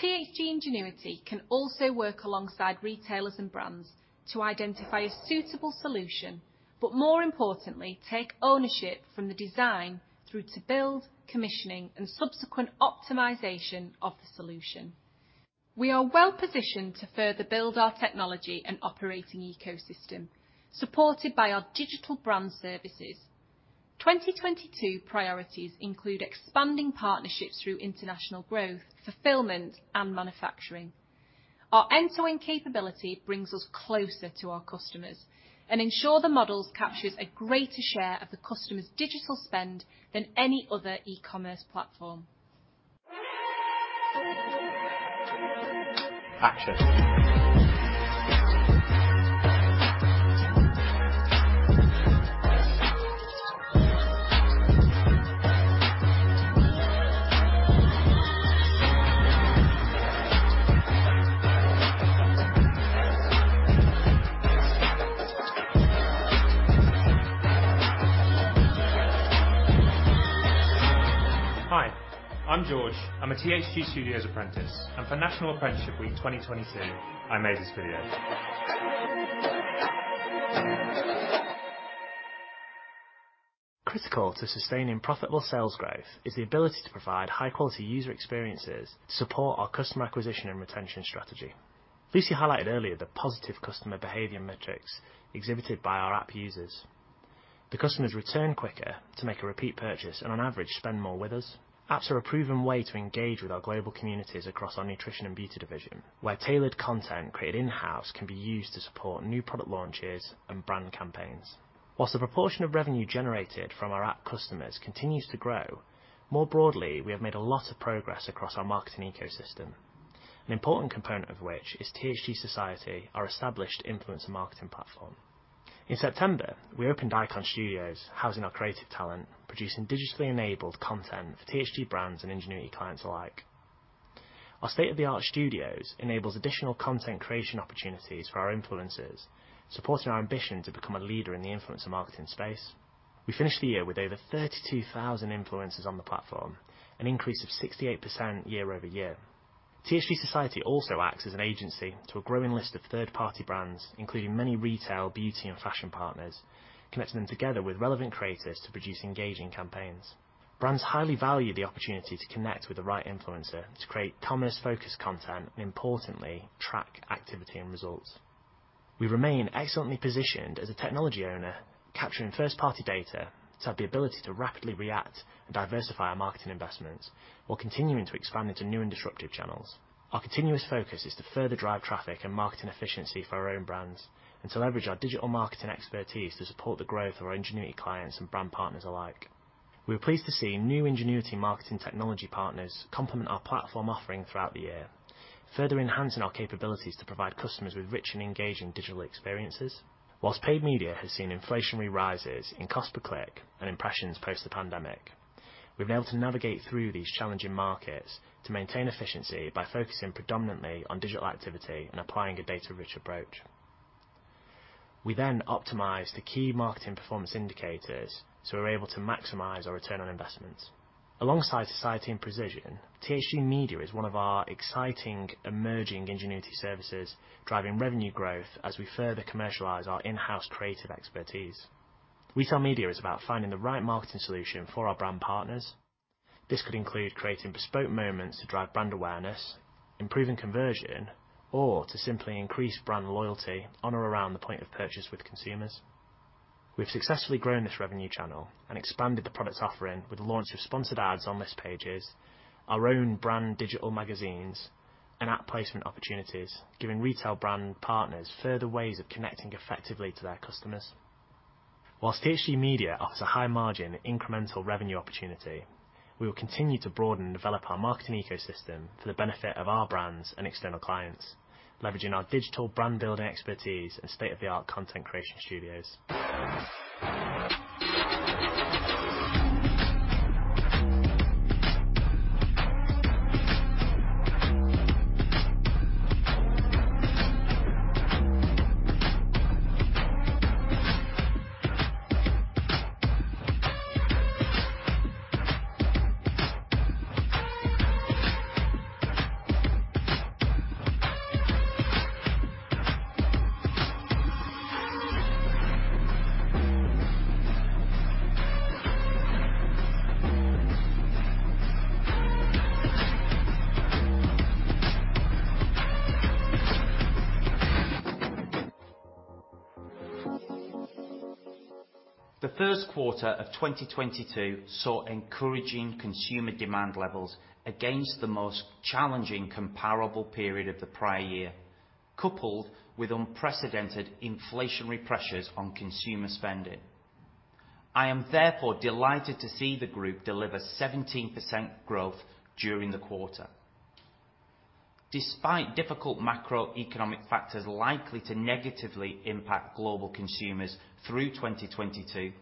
THG Ingenuity can also work alongside retailers and brands to identify a suitable solution, but more importantly, take ownership from the design through to build, commissioning, and subsequent optimization of the solution. We are well-positioned to further build our technology and operating ecosystem, supported by our digital brand services. 2022 priorities include expanding partnerships through international growth, fulfillment, and manufacturing. Our end-to-end capability brings us closer to our customers and ensure the models captures a greater share of the customer's digital spend than any other e-commerce platform. Action. Hi, I'm George. I'm a THG Studios apprentice, and for National Apprenticeship Week 2022, I made this video. Critical to sustaining profitable sales growth is the ability to provide high-quality user experiences to support our customer acquisition and retention strategy. Lucy highlighted earlier the positive customer behavior metrics exhibited by our app users. The customers return quicker to make a repeat purchase, and on average, spend more with us. Apps are a proven way to engage with our global communities across our nutrition and beauty division, where tailored content created in-house can be used to support new product launches and brand campaigns. While the proportion of revenue generated from our app customers continues to grow, more broadly, we have made a lot of progress across our marketing ecosystem, an important component of which is THG Society, our established influencer marketing platform. In September, we opened Icon Studios, housing our creative talent, producing digitally enabled content for THG brands and Ingenuity clients alike. Our state-of-the-art studios enables additional content creation opportunities for our influencers, supporting our ambition to become a leader in the influencer marketing space. We finished the year with over 32,000 influencers on the platform, an increase of 68% year-over-year. THG Society also acts as an agency to a growing list of third-party brands, including many retail, beauty, and fashion partners, connecting them together with relevant creators to produce engaging campaigns. Brands highly value the opportunity to connect with the right influencer to create commerce-focused content and importantly, track activity and results. We remain excellently positioned as a technology owner, capturing first-party data to have the ability to rapidly react and diversify our marketing investments while continuing to expand into new and disruptive channels. Our continuous focus is to further drive traffic and marketing efficiency for our own brands and to leverage our digital marketing expertise to support the growth of our Ingenuity clients and brand partners alike. We're pleased to see new Ingenuity marketing technology partners complement our platform offering throughout the year, further enhancing our capabilities to provide customers with rich and engaging digital experiences. While paid media has seen inflationary rises in cost per click and impressions post the pandemic, we've been able to navigate through these challenging markets to maintain efficiency by focusing predominantly on digital activity and applying a data-rich approach. We then optimize the key marketing performance indicators, so we're able to maximize our return on investments. Alongside THG Society and Precision, THG Media is one of our exciting emerging THG Ingenuity services, driving revenue growth as we further commercialize our in-house creative expertise. Retail media is about finding the right marketing solution for our brand partners. This could include creating bespoke moments to drive brand awareness, improving conversion, or to simply increase brand loyalty on or around the point of purchase with consumers. We've successfully grown this revenue channel and expanded the product offering with the launch of sponsored ads on list pages, our own brand digital magazines, and app placement opportunities, giving retail brand partners further ways of connecting effectively to their customers. While THG Media offers a high margin incremental revenue opportunity, we will continue to broaden and develop our marketing ecosystem for the benefit of our brands and external clients, leveraging our digital brand building expertise and state-of-the-art content creation studios. The first quarter of 2022 saw encouraging consumer demand levels against the most challenging comparable period of the prior year, coupled with unprecedented inflationary pressures on consumer spending. I am therefore delighted to see the group deliver 17% growth during the quarter. Despite difficult macroeconomic factors likely to negatively impact global consumers through 2022,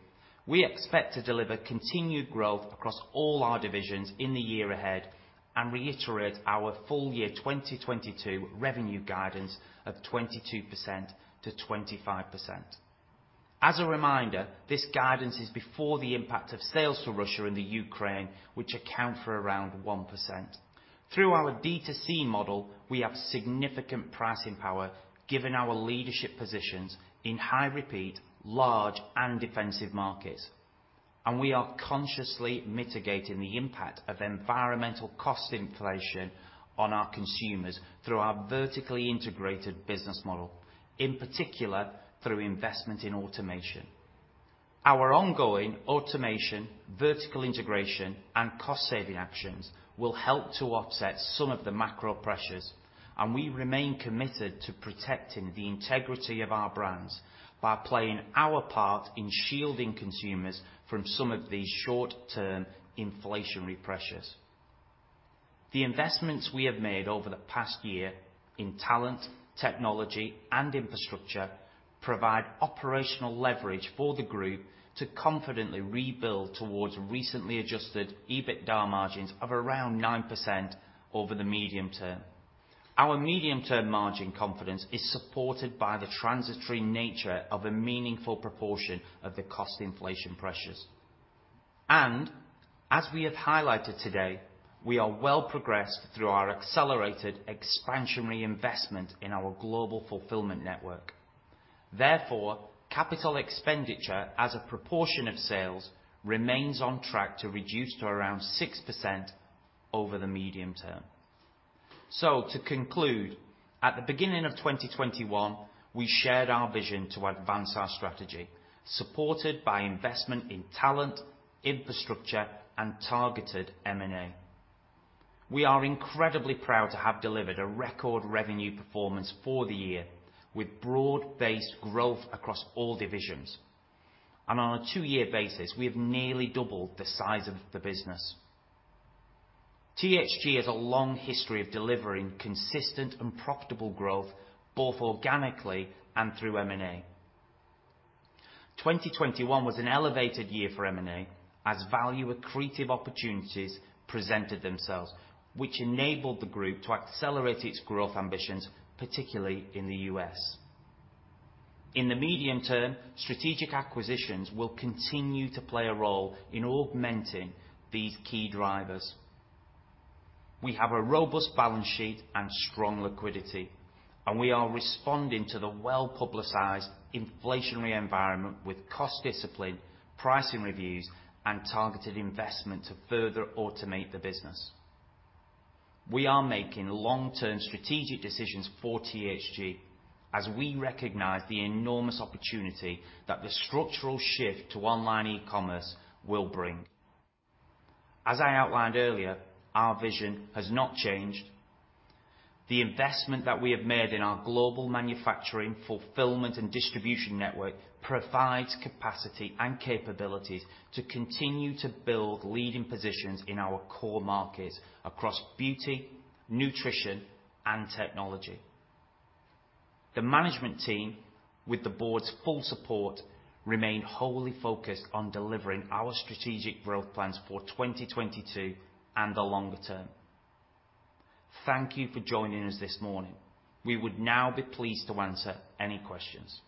we expect to deliver continued growth across all our divisions in the year ahead and reiterate our full year 2022 revenue guidance of 22%-25%. As a reminder, this guidance is before the impact of sales to Russia and the Ukraine, which account for around 1%. Through our D2C model, we have significant pricing power given our leadership positions in high repeat, large and defensive markets. We are consciously mitigating the impact of environmental cost inflation on our consumers through our vertically integrated business model, in particular through investment in automation. Our ongoing automation, vertical integration and cost-saving actions will help to offset some of the macro pressures, and we remain committed to protecting the integrity of our brands by playing our part in shielding consumers from some of these short-term inflationary pressures. The investments we have made over the past year in talent, technology and infrastructure provide operational leverage for the group to confidently rebuild towards recently adjusted EBITDA margins of around 9% over the medium term. Our medium-term margin confidence is supported by the transitory nature of a meaningful proportion of the cost inflation pressures. As we have highlighted today, we are well progressed through our accelerated expansionary investment in our global fulfillment network. Therefore, capital expenditure as a proportion of sales remains on track to reduce to around 6% over the medium term. To conclude, at the beginning of 2021, we shared our vision to advance our strategy supported by investment in talent, infrastructure and targeted M&A. We are incredibly proud to have delivered a record revenue performance for the year with broad-based growth across all divisions. On a two-year basis, we have nearly doubled the size of the business. THG has a long history of delivering consistent and profitable growth both organically and through M&A. 2021 was an elevated year for M&A as value accretive opportunities presented themselves, which enabled the group to accelerate its growth ambitions, particularly in the U.S. In the medium term, strategic acquisitions will continue to play a role in augmenting these key drivers. We have a robust balance sheet and strong liquidity, and we are responding to the well-publicized inflationary environment with cost discipline, pricing reviews and targeted investment to further automate the business. We are making long-term strategic decisions for THG as we recognize the enormous opportunity that the structural shift to online e-commerce will bring. As I outlined earlier, our vision has not changed. The investment that we have made in our global manufacturing, fulfillment and distribution network provides capacity and capabilities to continue to build leading positions in our core markets across beauty, nutrition and technology. The management team, with the board's full support, remain wholly focused on delivering our strategic growth plans for 2022 and the longer term. Thank you for joining us this morning. We would now be pleased to answer any questions.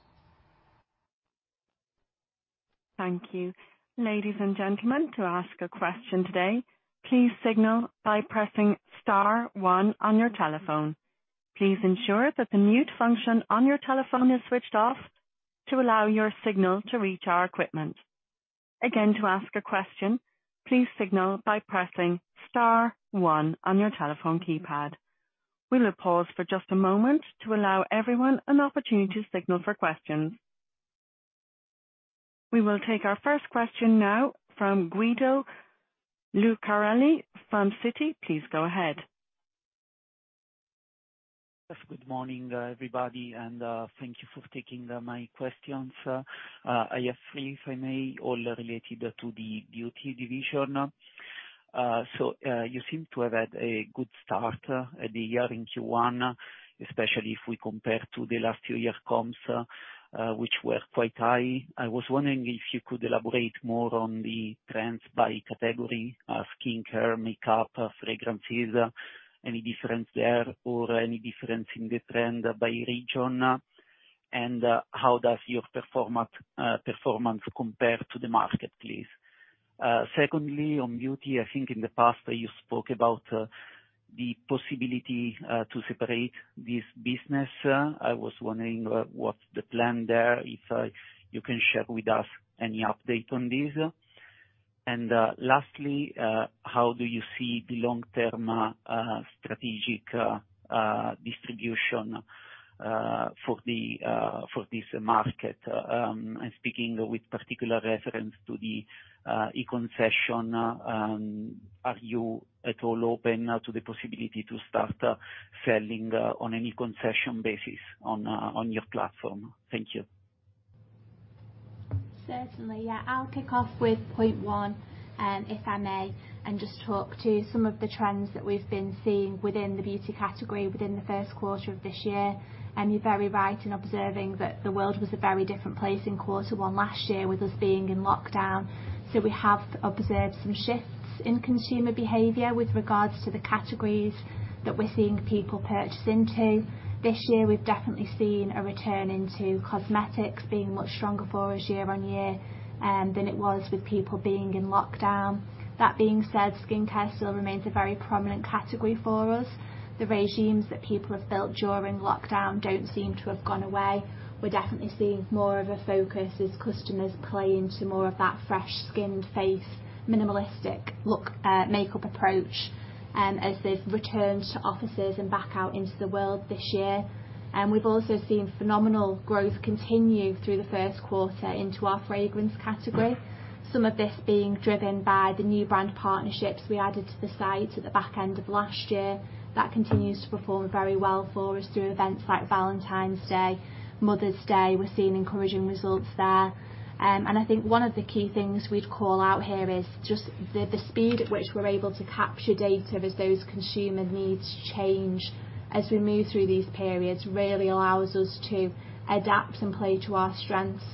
Thank you. Ladies and gentlemen, to ask a question today, please signal by pressing star one on your telephone. Please ensure that the mute function on your telephone is switched off to allow your signal to reach our equipment. Again, to ask a question, please signal by pressing star one on your telephone keypad. We will pause for just a moment to allow everyone an opportunity to signal for questions. We will take our first question now from Guido Lucarelli from Citi. Please go ahead. Yes, good morning, everybody, and thank you for taking my questions. I have three, if I may, all related to the Beauty division. You seem to have had a good start to the year in Q1, especially if we compare to the last two year comps, which were quite high. I was wondering if you could elaborate more on the trends by category, skincare, makeup, fragrances, any difference there or any difference in the trend by region? How does your performance compare to the market, please? Secondly, on Beauty, I think in the past you spoke about the possibility to separate this business. I was wondering, what's the plan there, if you can share with us any update on this. Lastly, how do you see the long-term strategic distribution for this market? I'm speaking with particular reference to the e-concession. Are you at all open to the possibility to start selling on any concession basis on your platform? Thank you. Certainly, yeah. I'll kick off with point one, if I may, and just talk to some of the trends that we've been seeing within the beauty category within the first quarter of this year. You're very right in observing that the world was a very different place in quarter one last year with us being in lockdown. We have observed some shifts in consumer behavior with regards to the categories that we're seeing people purchase into. This year we've definitely seen a return into cosmetics being much stronger for us year on year, than it was with people being in lockdown. That being said, skincare still remains a very prominent category for us. The regimes that people have built during lockdown don't seem to have gone away. We're definitely seeing more of a focus as customers play into more of that fresh-skinned face, minimalistic look, makeup approach, as they've returned to offices and back out into the world this year. We've also seen phenomenal growth continue through the first quarter into our fragrance category. Some of this being driven by the new brand partnerships we added to the site at the back end of last year. That continues to perform very well for us through events like Valentine's Day, Mother's Day. We're seeing encouraging results there. I think one of the key things we'd call out here is just the speed at which we're able to capture data as those consumer needs change as we move through these periods, really allows us to adapt and play to our strengths.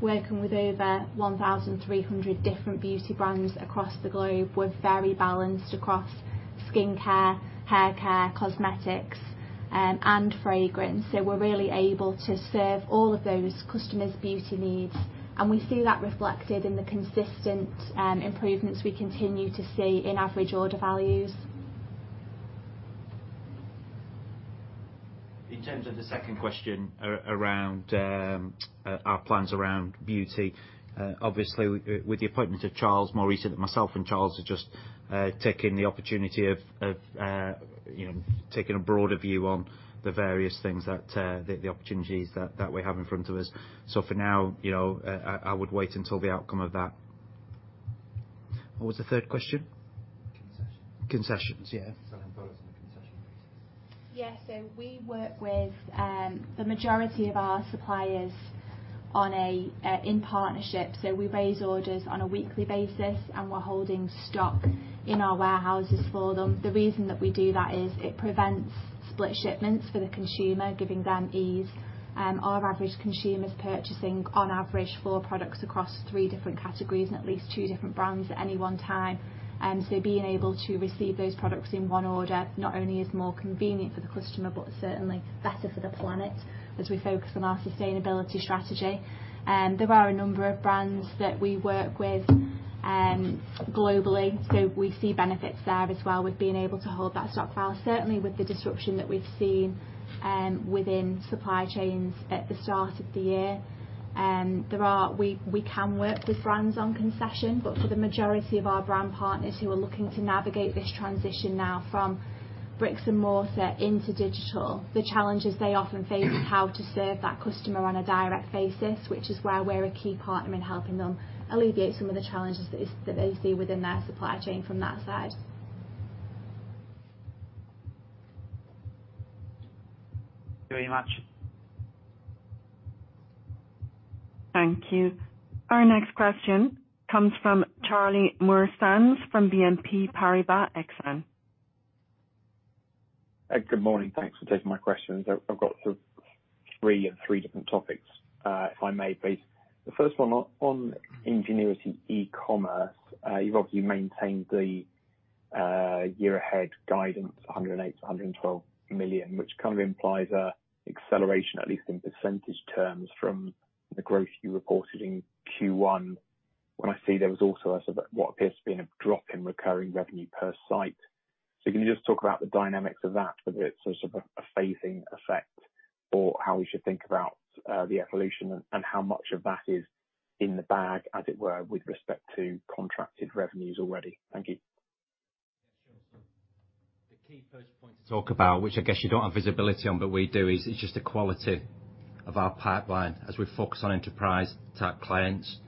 Working with over 1,300 different beauty brands across the globe, we're very balanced across skincare, hair care, cosmetics, and fragrance. We're really able to serve all of those customers' beauty needs, and we see that reflected in the consistent improvements we continue to see in average order values. In terms of the second question around our plans around beauty, obviously with the more recent appointment of Charles, myself and Charles are just taking the opportunity of you know, taking a broader view on the various things that the opportunities that we have in front of us. For now, you know, I would wait until the outcome of that. What was the third question? Concession. Concessions. Yeah. Selling products on a concession basis. Yeah. We work with the majority of our suppliers in partnership. We raise orders on a weekly basis, and we're holding stock in our warehouses for them. The reason that we do that is it prevents split shipments for the consumer, giving them ease. Our average consumer's purchasing on average four products across three different categories and at least two different brands at any one time. Being able to receive those products in one order not only is more convenient for the customer, but certainly better for the planet as we focus on our sustainability strategy. There are a number of brands that we work with globally. We see benefits there as well with being able to hold that stock, certainly with the disruption that we've seen within supply chains at the start of the year. We can work with brands on concession, but for the majority of our brand partners who are looking to navigate this transition now from bricks and mortar into digital, the challenges they often face is how to serve that customer on a direct basis, which is why we're a key partner in helping them alleviate some of the challenges that they see within their supply chain from that side. Thank you very much. Thank you. Our next question comes from Charlie Muir-Sands from BNP Paribas Exane. Good morning. Thanks for taking my questions. I've got sort of three different topics, if I may please. The first one on Ingenuity Commerce. You've obviously maintained the year ahead guidance, 108 million-112 million, which kind of implies an acceleration, at least in percentage terms, from the growth you reported in Q1. I saw there was also a sort of what appears to be a drop in recurring revenue per site. Can you just talk about the dynamics of that, whether it's a sort of a phasing effect or how we should think about the evolution and how much of that is in the bag, as it were, with respect to contracted revenues already? Thank you. Yeah, sure. The key first point to talk about, which I guess you don't have visibility on, but we do, is it's just the quality of our pipeline as we focus on enterprise-type clients.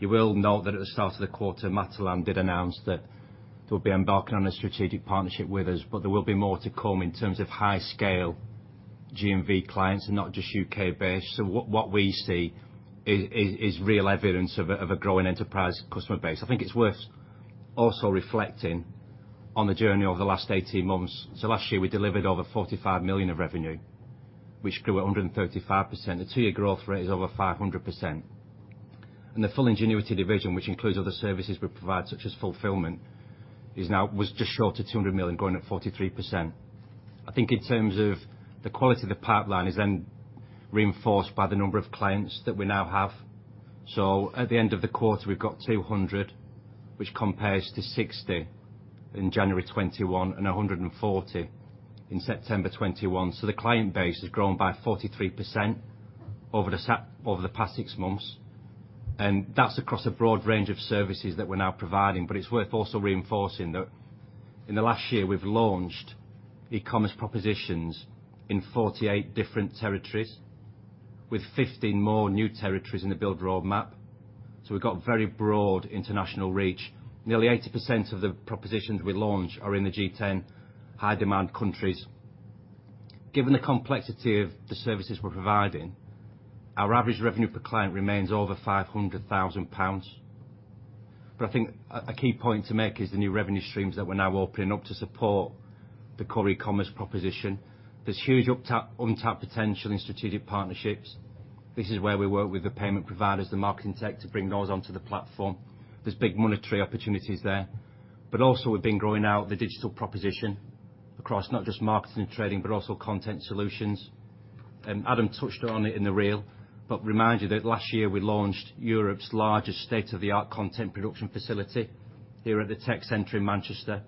You will note that at the start of the quarter, Matalan did announce that they'll be embarking on a strategic partnership with us, but there will be more to come in terms of high-scale GMV clients and not just U.K.-based. What we see is real evidence of a growing enterprise customer base. I think it's worth also reflecting on the journey over the last 18 months. Last year we delivered over 45 million of revenue, which grew at 135%. The two-year growth rate is over 500%. The full Ingenuity division, which includes other services we provide, such as fulfillment, is now... was just short of 200 million, growing at 43%. I think in terms of the quality of the pipeline is then reinforced by the number of clients that we now have. At the end of the quarter, we've got 200, which compares to 60 in January 2021 and 140 in September 2021. The client base has grown by 43% over the past six months. That's across a broad range of services that we're now providing. It's worth also reinforcing that in the last year, we've launched e-commerce propositions in 48 different territories with 15 more new territories in the build roadmap. We've got very broad international reach. Nearly 80% of the propositions we launch are in the G10 high-demand countries. Given the complexity of the services we're providing, our average revenue per client remains over 500,000 pounds. I think a key point to make is the new revenue streams that we're now opening up to support the core e-commerce proposition. There's huge untapped potential in strategic partnerships. This is where we work with the payment providers, the marketing tech, to bring those onto the platform. There's big monetary opportunities there. We've been growing out the digital proposition across not just marketing and trading, but also content solutions. Adam touched on it in the reel, but remind you that last year we launched Europe's largest state-of-the-art content production facility here at the tech center in Manchester.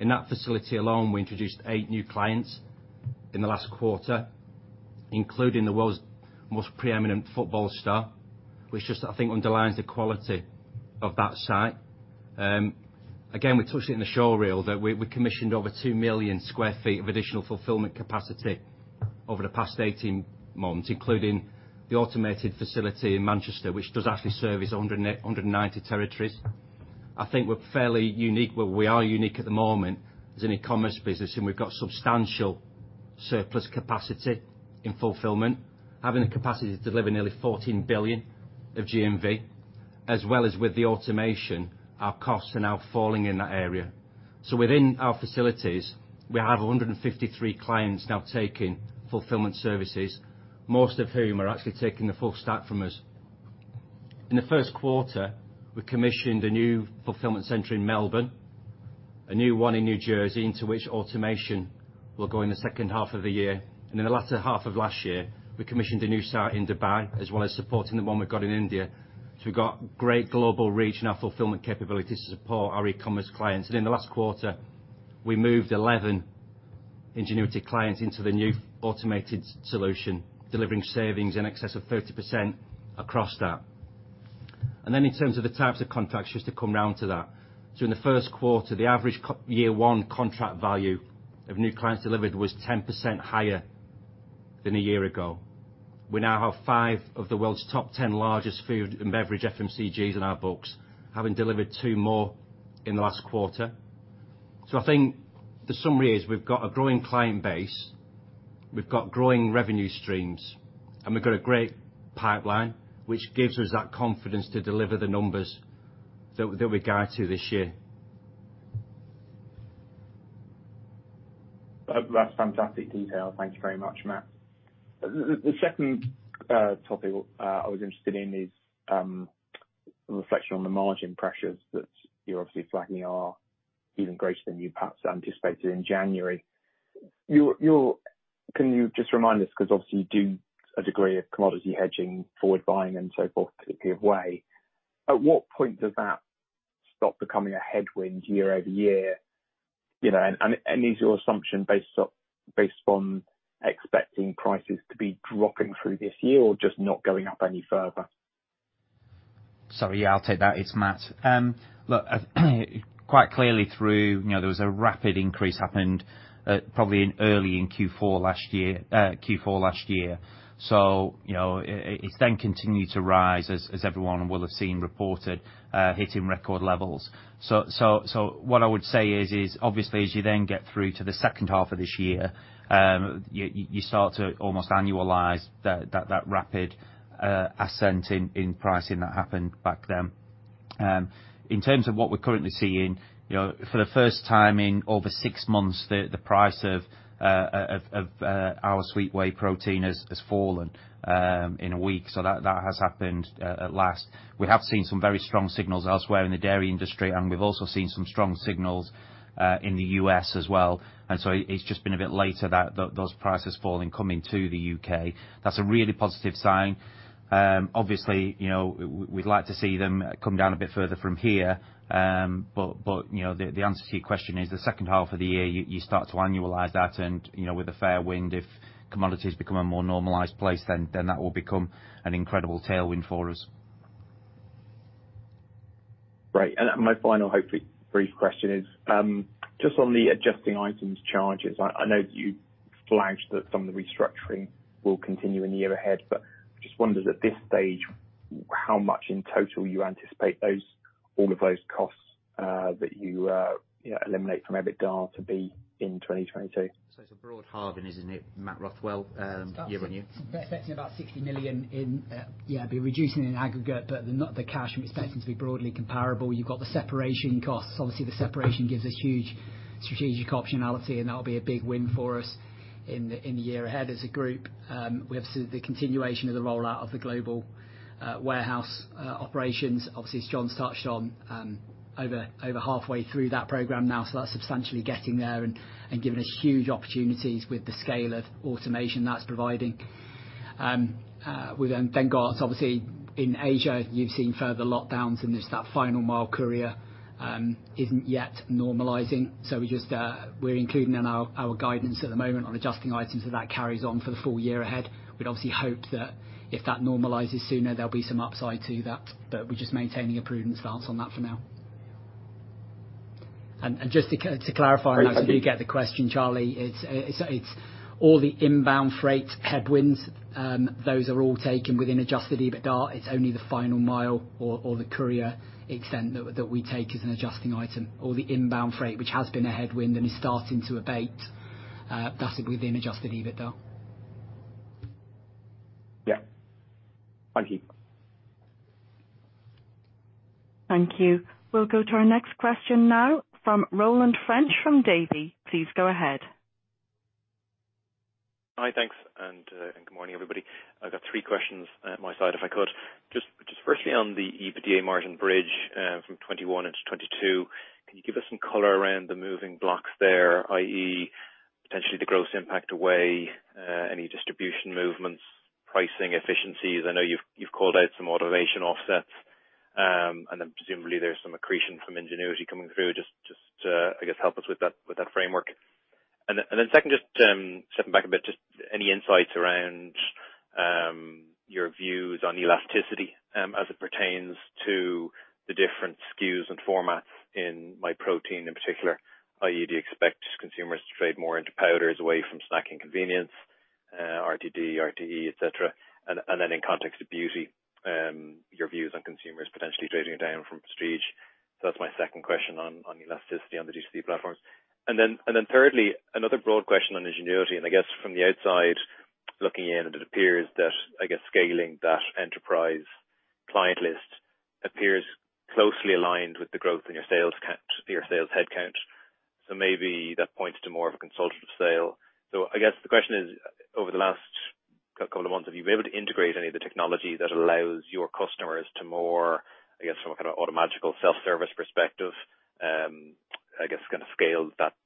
In that facility alone, we introduced eight new clients in the last quarter, including the world's most preeminent football star, which just, I think, underlines the quality of that site. Again, we touched it in the show reel that we commissioned 2 million sq ft of additional fulfillment capacity over the past 18 months, including the automated facility in Manchester, which does actually service 190 territories. I think we're fairly unique. Well, we are unique at the moment as an e-commerce business, and we've got substantial surplus capacity in fulfillment, having the capacity to deliver nearly 14 billion of GMV. As well as with the automation, our costs are now falling in that area. Within our facilities, we have 153 clients now taking fulfillment services, most of whom are actually taking the full stack from us. In the first quarter, we commissioned a new fulfillment center in Melbourne, a new one in New Jersey, into which automation will go in the second half of the year. In the latter half of last year, we commissioned a new site in Dubai, as well as supporting the one we've got in India. We've got great global reach in our fulfillment capability to support our e-commerce clients. In the last quarter, we moved 11 Ingenuity clients into the new automated solution, delivering savings in excess of 30% across that. In terms of the types of contracts, just to come round to that. In the first quarter, the average year one contract value of new clients delivered was 10% higher than a year ago. We now have five of the world's top 10 largest food and beverage FMCGs in our books, having delivered 2 more in the last quarter. I think the summary is we've got a growing client base, we've got growing revenue streams, and we've got a great pipeline, which gives us that confidence to deliver the numbers that we guide to this year. That's fantastic detail. Thank you very much, Matt. The second topic I was interested in is a reflection on the margin pressures that you're obviously flagging are even greater than you perhaps anticipated in January. Can you just remind us, 'cause obviously you do a degree of commodity hedging, forward buying and so forth, particularly of whey. At what point does that stop becoming a headwind year over year? You know, and is your assumption based upon expecting prices to be dropping through this year or just not going up any further? Sorry, yeah, I'll take that. It's Matt. Look, quite clearly through, you know, there was a rapid increase happened, probably in early Q4 last year. It's then continued to rise as everyone will have seen reported, hitting record levels. What I would say is obviously as you then get through to the second half of this year, you start to almost annualize that rapid ascent in pricing that happened back then. In terms of what we're currently seeing, you know, for the first time in over six months, the price of our sweet whey protein has fallen in a week. That has happened at last. We have seen some very strong signals elsewhere in the dairy industry, and we've also seen some strong signals in the U.S. as well. It's just been a bit later that those price falls coming to the U.K. That's a really positive sign. Obviously, you know, we'd like to see them come down a bit further from here. But you know, the answer to your question is the second half of the year. You start to annualize that, and you know, with the fair wind, if commodities become a more normalized place, then that will become an incredible tailwind for us. Great. My final, hopefully brief question is, just on the adjusting items charges, I know that you flagged that some of the restructuring will continue in the year ahead, but I just wondered at this stage, how much in total you anticipate those, all of those costs, that you eliminate from EBITDA to be in 2022. It's a broad hardening, isn't it, Matt Rothwell, your revenue? We're expecting about 60 million in, be reducing in aggregate, but the cash we're expecting to be broadly comparable. You've got the separation costs. Obviously, the separation gives us huge strategic optionality, and that'll be a big win for us in the year ahead as a group. We have the continuation of the rollout of the global warehouse operations. Obviously, as John's touched on, over halfway through that program now, so that's substantially getting there and giving us huge opportunities with the scale of automation that's providing. We then got obviously in Asia, you've seen further lockdowns, and there's that final mile courier isn't yet normalizing. So we just, we're including in our guidance at the moment on adjusting items that that carries on for the full year ahead. We'd obviously hope that if that normalizes sooner, there'll be some upside to that, but we're just maintaining a prudent stance on that for now. Just to clarify. Thanks. I do get the question, Charlie. It's all the inbound freight headwinds, those are all taken within adjusted EBITDA. It's only the final mile or the courier expense that we take as an adjusting item or the inbound freight, which has been a headwind and is starting to abate. That's within adjusted EBITDA. Yeah. Thank you. Thank you. We'll go to our next question now from Roland French from Davy. Please go ahead. Hi, thanks and good morning, everybody. I've got three questions, my side, if I could. Just firstly on the EBITDA margin bridge, from 2021 into 2022, can you give us some color around the moving blocks there, i.e., potentially the gross impact away, any distribution movements, pricing efficiencies? I know you've called out some automation offsets, and then presumably there's some accretion from Ingenuity coming through. I guess help us with that framework. Then second, just stepping back a bit, just any insights around your views on elasticity, as it pertains to the different SKUs and formats in Myprotein in particular, i.e., do you expect consumers to trade more into powders away from snacking convenience, RTD, RTE, etc. In context of beauty, your views on consumers potentially trading down from prestige. That's my second question on elasticity on the DTC platform. Thirdly, another broad question on Ingenuity, and I guess from the outside looking in, it appears that scaling that enterprise client list appears closely aligned with the growth in your sales count, your sales headcount. Maybe that points to more of a consultative sale. I guess the question is, over the last couple of months, have you been able to integrate any of the technology that allows your customers to more, I guess, from a kinda automagical self-service perspective, kinda scale that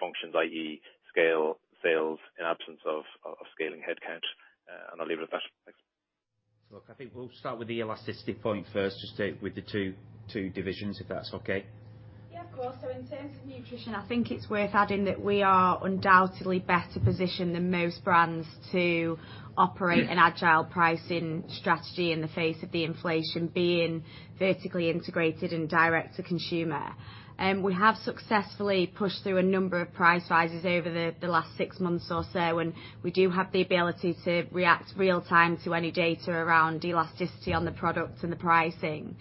functions, i.e., scale sales in absence of scaling headcount? I'll leave it at that. Thanks. Look, I think we'll start with the elasticity point first, just with the two divisions, if that's okay. Yeah, of course. In terms of nutrition, I think it's worth adding that we are undoubtedly better positioned than most brands to operate an agile pricing strategy in the face of the inflation, being vertically integrated and direct to consumer. We have successfully pushed through a number of price rises over the last six months or so, and we do have the ability to react real-time to any data around elasticity on the products and the pricing.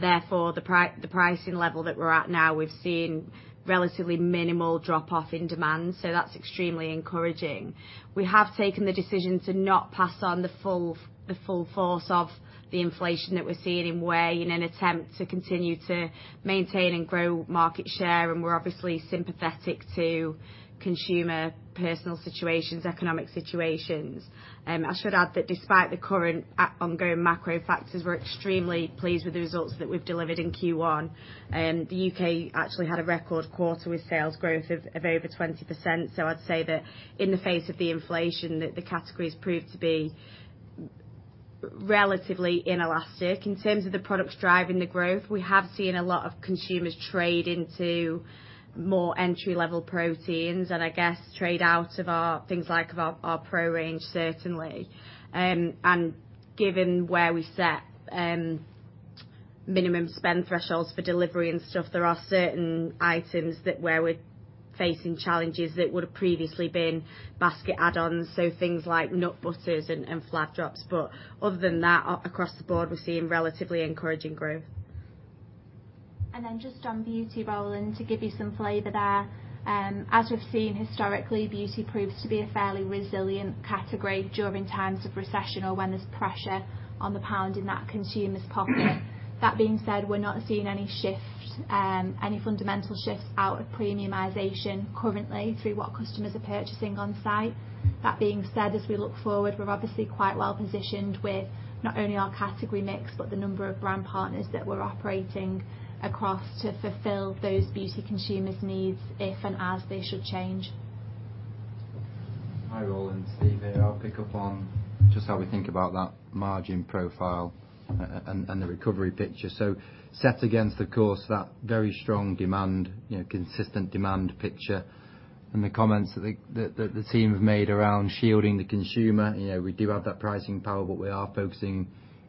Therefore, the pricing level that we're at now, we've seen relatively minimal drop-off in demand, so that's extremely encouraging. We have taken the decision to not pass on the full force of the inflation that we're seeing in whey in an attempt to continue to maintain and grow market share, and we're obviously sympathetic to consumer personal situations, economic situations. I should add that despite the current ongoing macro factors, we're extremely pleased with the results that we've delivered in Q1. The U.K. actually had a record quarter with sales growth of over 20%. I'd say that in the face of the inflation, the category has proved to be relatively inelastic. In terms of the products driving the growth, we have seen a lot of consumers trade into more entry-level proteins and I guess trade out of our things like our pro range, certainly. Given where we set minimum spend thresholds for delivery and stuff, there are certain items where we're facing challenges that would've previously been basket add-ons, so things like nut butters and flapjacks. Other than that, across the board, we're seeing relatively encouraging growth. Just on beauty, Roland, to give you some flavor there. As we've seen historically, beauty proves to be a fairly resilient category during times of recession or when there's pressure on the pound in that consumer's pocket. That being said, we're not seeing any shift, any fundamental shifts out of premiumization currently through what customers are purchasing on site. That being said, as we look forward, we're obviously quite well positioned with not only our category mix, but the number of brand partners that we're operating across to fulfill those beauty consumers' needs if and as they should change. Hi, Roland. Steve here. I'll pick up on just how we think about that margin profile and the recovery picture. Set against the course, that very strong demand, you know, consistent demand picture and the comments that the team have made around shielding the consumer, you know, we do have that pricing power, but we are focusing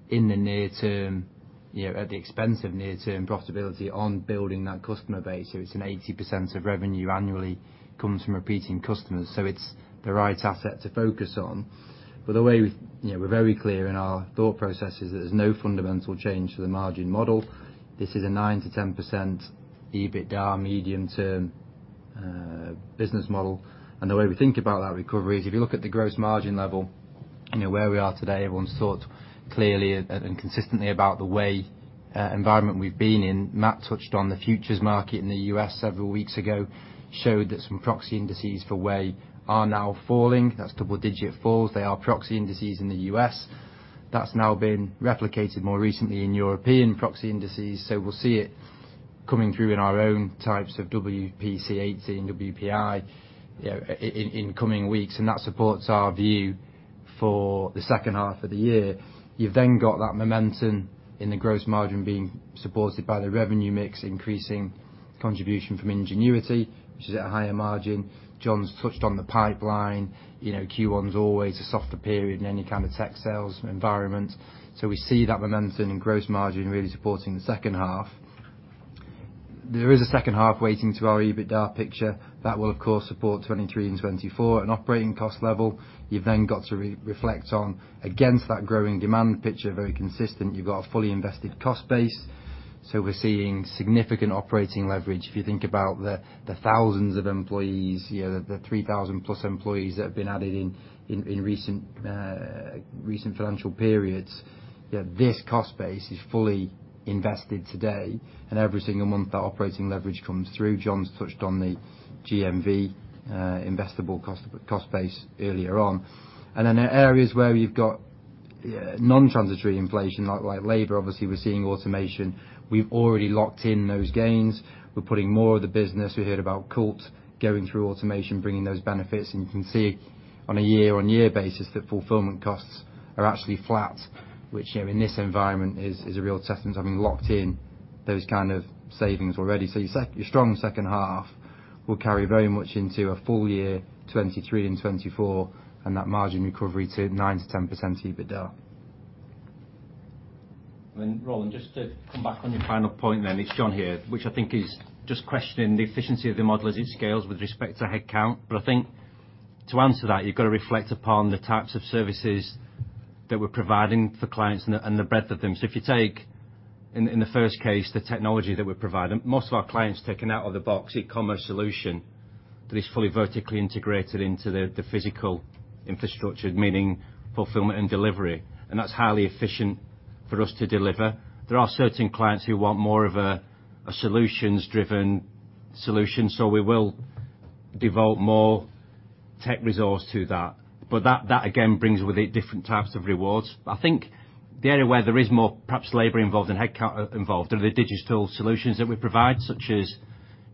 in the near term, you know, at the expense of near-term profitability on building that customer base. It's an 80% of revenue annually comes from repeating customers, so it's the right asset to focus on. The way we, you know, we're very clear in our thought process is there's no fundamental change to the margin model. This is a 9%-10% EBITDA medium term business model. The way we think about that recovery is if you look at the gross margin level, you know where we are today, everyone's thought clearly and consistently about the whey environment we've been in. Matt touched on the futures market in the U.S. several weeks ago, showed that some proxy indices for whey are now falling. That's double-digit falls. They are proxy indices in the U.S. That's now been replicated more recently in European proxy indices, so we'll see it coming through in our own types of WPC18, WPI, you know, in coming weeks, and that supports our view for the second half of the year. You've then got that momentum in the gross margin being supported by the revenue mix, increasing contribution from Ingenuity, which is at a higher margin. John's touched on the pipeline. You know, Q1's always a softer period in any kind of tech sales environment. We see that momentum in gross margin really supporting the second half. There is a second half weighting to our EBITDA picture. That will of course support 2023 and 2024 at an operating cost level. You've then got to re-reflect on against that growing demand picture, very consistent. You've got a fully invested cost base. We're seeing significant operating leverage. If you think about the thousands of employees, you know, the 3,000+ employees that have been added in recent financial periods. You know, this cost base is fully invested today, and every single month that operating leverage comes through. John's touched on the GMV, investable cost base earlier on. There are areas where we've got non-transitory inflation like labor. Obviously, we're seeing automation. We've already locked in those gains. We're putting more of the business. We heard about Cult going through automation, bringing those benefits, and you can see on a year-on-year basis that fulfillment costs are actually flat, which, you know, in this environment is a real testament to having locked in those kind of savings already. Your strong second half will carry very much into a full year 2023 and 2024, and that margin recovery to 9%-10% EBITDA. Roland, just to come back on your final point then, it's John here. Which I think is just questioning the efficiency of the model as it scales with respect to headcount. I think to answer that, you've got to reflect upon the types of services that we're providing for clients and the, and the breadth of them. If you take in the first case, the technology that we provide, and most of our clients take an out-of-the-box e-commerce solution that is fully vertically integrated into the physical infrastructure, meaning fulfillment and delivery, and that's highly efficient for us to deliver. There are certain clients who want more of a solutions-driven solution, so we will devote more tech resource to that. That again brings with it different types of rewards. I think the area where there is more perhaps labor involved and headcount involved are the digital solutions that we provide, such as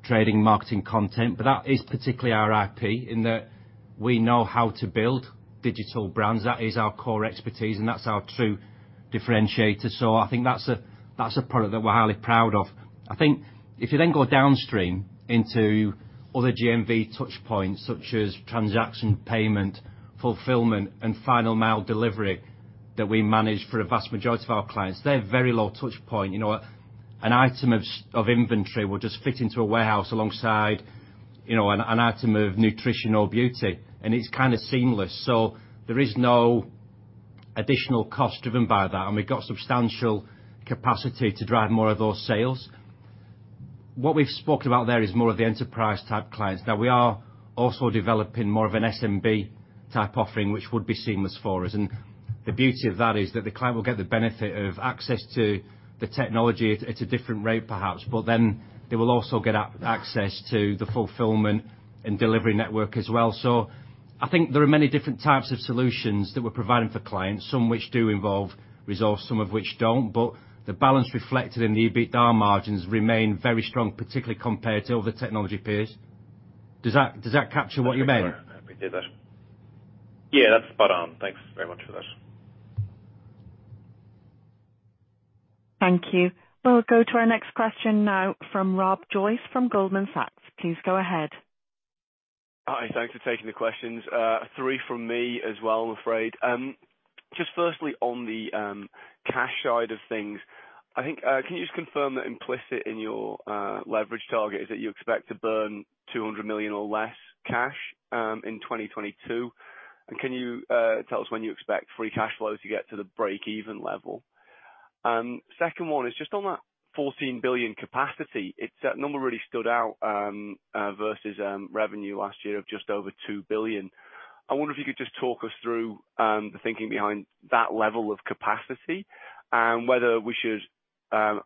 trading and marketing content. That is particularly our IP in that we know how to build digital brands. That is our core expertise and that's our true differentiator. I think that's a, that's a product that we're highly proud of. I think if you then go downstream into other GMV touch points, such as transaction, payment, fulfillment, and final mile delivery that we manage for a vast majority of our clients, they're very low touch point. You know what? An item of of inventory will just fit into a warehouse alongside You know, an item of nutritional beauty, and it's kind of seamless, so there is no additional cost driven by that. We've got substantial capacity to drive more of those sales. What we've spoken about there is more of the enterprise-type clients, that we are also developing more of an SMB-type offering, which would be seamless for us. The beauty of that is that the client will get the benefit of access to the technology at a different rate, perhaps, but then they will also get access to the fulfillment and delivery network as well. I think there are many different types of solutions that we're providing for clients, some which do involve resource, some of which don't. The balance reflected in the EBITDA margins remain very strong, particularly compared to other technology peers. Does that capture what you meant? Yeah. That'd be good. Yeah, that's spot on. Thanks very much for that. Thank you. We'll go to our next question now from Rob Joyce from Goldman Sachs. Please go ahead. Hi. Thanks for taking the questions. Three from me as well, I'm afraid. Just firstly on the cash side of things, I think, can you just confirm that implicit in your leverage target is that you expect to burn 200 million or less cash in 2022? And can you tell us when you expect free cash flows to get to the break-even level? Second one is just on that 14 billion capacity. It's that number really stood out versus revenue last year of just over 2 billion. I wonder if you could just talk us through the thinking behind that level of capacity and whether we should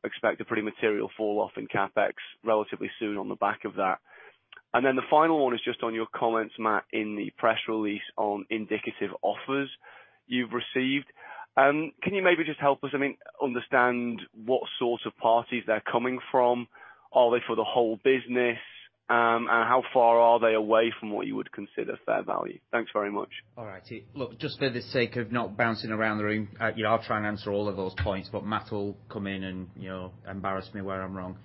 expect a pretty material falloff in CapEx relatively soon on the back of that. Then the final one is just on your comments, Matt, in the press release on indicative offers you've received. Can you maybe just help us understand what sort of parties they're coming from? Are they for the whole business? How far are they away from what you would consider fair value? Thanks very much. All righty. Look, just for the sake of not bouncing around the room, you know, I'll try and answer all of those points, but Matt will come in and, you know, embarrass me where I'm wrong.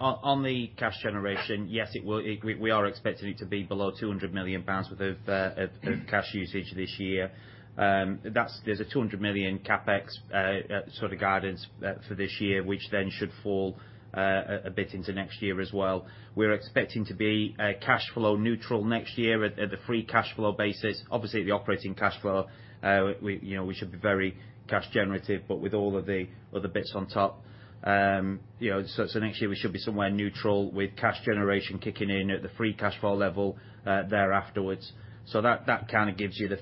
On the cash generation, yes, we are expecting it to be below 200 million pounds worth of cash usage this year. That's a 200 million CapEx sort of guidance for this year, which then should fall a bit into next year as well. We're expecting to be cash flow neutral next year at the free cash flow basis. Obviously, the operating cash flow, you know, we should be very cash generative, but with all of the other bits on top. You know, next year we should be somewhere neutral with cash generation kicking in at the free cash flow level, there afterwards. That kind of gives you the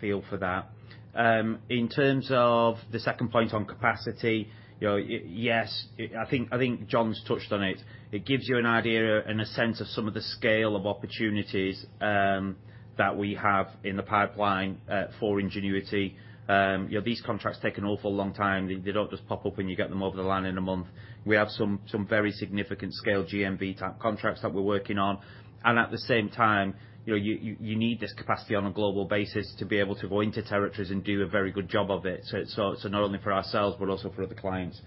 feel for that. In terms of the second point on capacity, you know, yes. I think John's touched on it. It gives you an idea and a sense of some of the scale of opportunities that we have in the pipeline for Ingenuity. You know, these contracts take an awful long time. They don't just pop up when you get them over the line in a month. We have some very significant scale GMV-type contracts that we're working on. At the same time, you know, you need this capacity on a global basis to be able to go into territories and do a very good job of it, so not only for ourselves but also for other clients.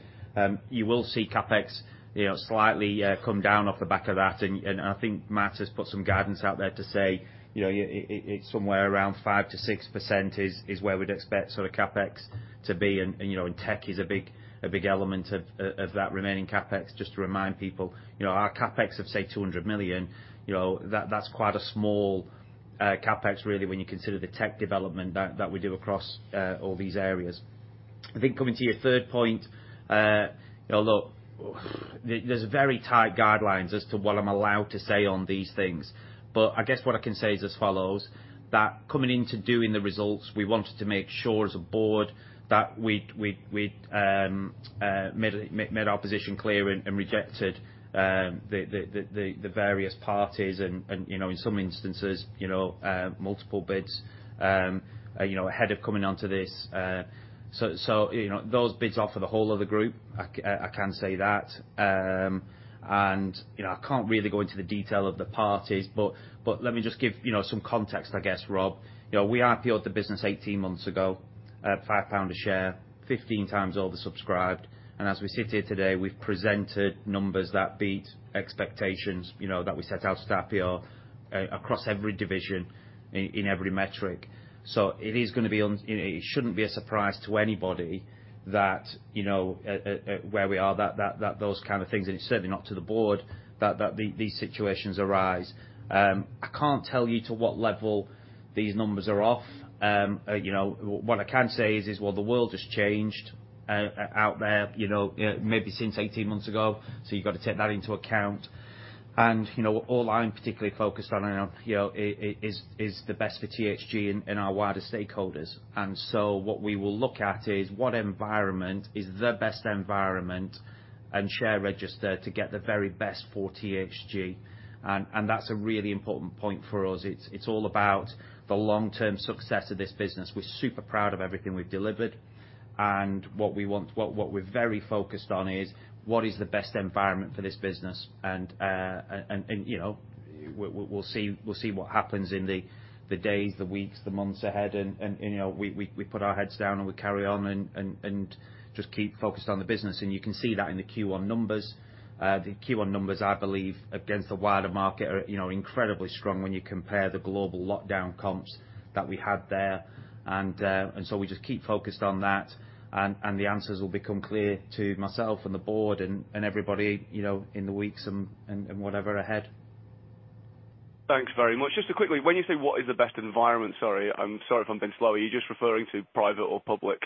You will see CapEx, you know, slightly come down off the back of that. I think Matt has put some guidance out there to say, you know, it's somewhere around 5%-6% is where we'd expect sort of CapEx to be. You know, tech is a big element of that remaining CapEx, just to remind people. You know, our CapEx of, say, 200 million, you know, that's quite a small CapEx really when you consider the tech development that we do across all these areas. I think coming to your third point, you know, look, there's very tight guidelines as to what I'm allowed to say on these things. I guess what I can say is as follows, that coming into doing the results, we wanted to make sure as a board that we'd made our position clear and, you know, in some instances, you know, multiple bids, you know, ahead of coming onto this. You know, those bids are for the whole of the group. I can say that. You know, I can't really go into the detail of the parties, but let me just give, you know, some context, I guess, Rob. You know, we IPO'd the business 18 months ago at 5 pound a share, 15 times oversubscribed. As we sit here today, we've presented numbers that beat expectations, you know, that we set out at IPO across every division in every metric. It shouldn't be a surprise to anybody that, you know, where we are, that those kind of things, and it's certainly not to the board that these situations arise. I can't tell you to what level these numbers are off. You know, what I can say is, well, the world has changed out there, you know, maybe since 18 months ago, so you've got to take that into account. You know, all I'm particularly focused on, you know, is the best for THG and our wider stakeholders. What we will look at is what environment is the best environment and share register to get the very best for THG. That's a really important point for us. It's all about the long-term success of this business. We're super proud of everything we've delivered and what we're very focused on is what is the best environment for this business. You know, we'll see what happens in the days, the weeks, the months ahead. You know, we put our heads down and we carry on and just keep focused on the business. You can see that in the Q1 numbers. The Q1 numbers, I believe, against the wider market are, you know, incredibly strong when you compare the global lockdown comps that we had there. We just keep focused on that. The answers will become clear to myself and the board and everybody, you know, in the weeks and whatever ahead. Thanks very much. Just quickly, when you say what is the best environment? Sorry, I'm sorry if I'm being slow. Are you just referring to private or public-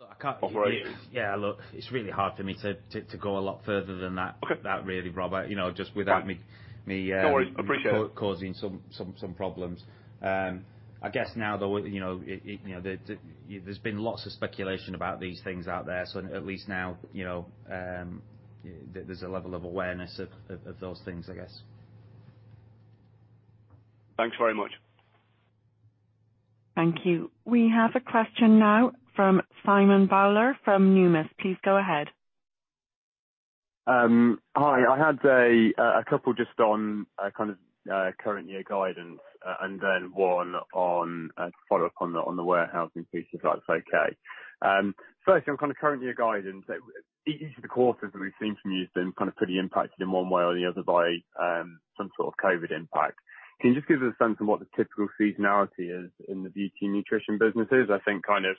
Look, I can't. Operation? Yeah, look, it's really hard for me to go a lot further than that. Okay. That really, Robert, you know, just without me. No worries. Appreciate it. causing some problems. I guess now, though, you know, there's been lots of speculation about these things out there, so at least now, you know, there's a level of awareness of those things, I guess. Thanks very much. Thank you. We have a question now from Simon Bowler from Numis. Please go ahead. Hi. I had a couple just on kind of current year guidance, and then one on to follow up on the warehousing piece, if that's okay. Firstly, on kind of current year guidance, each of the quarters that we've seen from you has been kind of pretty impacted in one way or the other by some sort of COVID impact. Can you just give us a sense of what the typical seasonality is in the beauty and nutrition businesses? I think kind of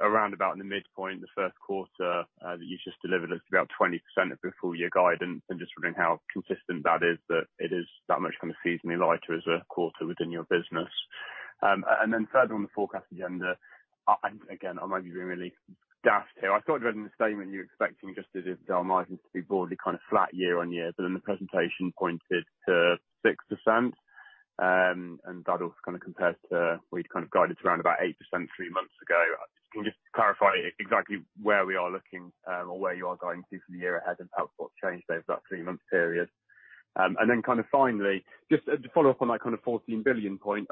around about in the midpoint, the first quarter that you just delivered is about 20% of your full year guidance. I'm just wondering how consistent that is, that it is that much kind of seasonally lighter as a quarter within your business. Third on the forecast agenda, and again, I might be really guessing here. I thought I'd read in the statement you're expecting just the EBITDA margins to be broadly kind of flat year-on-year, but then the presentation pointed to 6%, and that was kind of compared to where you'd kind of guided to around about 8% three months ago. Can you just clarify exactly where we are looking, or where you are guiding to for the year ahead and what changed over that three-month period? Kind of finally, just to follow up on that kind of 14 billion point.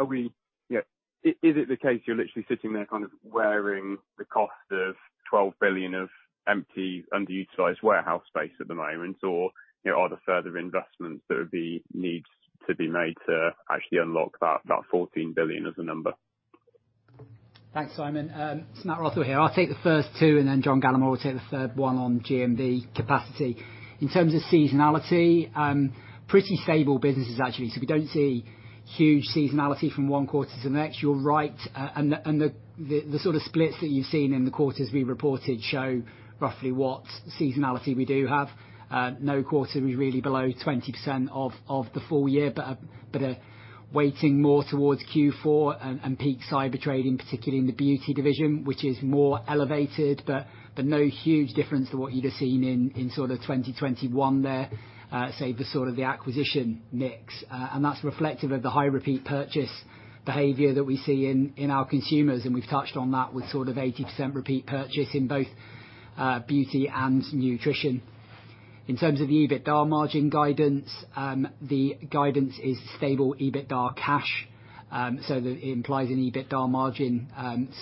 Is it the case you're literally sitting there kind of wearing the cost of 12 billion of empty underutilized warehouse space at the moment? You know, are there further investments that would be needed to be made to actually unlock that 14 billion as a number? Thanks, Simon. It's Matt Rothwell here. I'll take the first two, and then John Gallemore will take the third one on GMV capacity. In terms of seasonality, pretty stable businesses actually. We don't see huge seasonality from one quarter to the next. You're right. And the sort of splits that you've seen in the quarters we reported show roughly what seasonality we do have. No quarter is really below 20% of the full year, but are weighting more towards Q4 and peak cyber trading, particularly in the beauty division, which is more elevated, but no huge difference to what you'd have seen in sort of 2021 there, save the sort of the acquisition mix. That's reflective of the high repeat purchase behavior that we see in our consumers, and we've touched on that with sort of 80% repeat purchase in both beauty and nutrition. In terms of the EBITDA margin guidance, the guidance is stable EBITDA cash, so that implies an EBITDA margin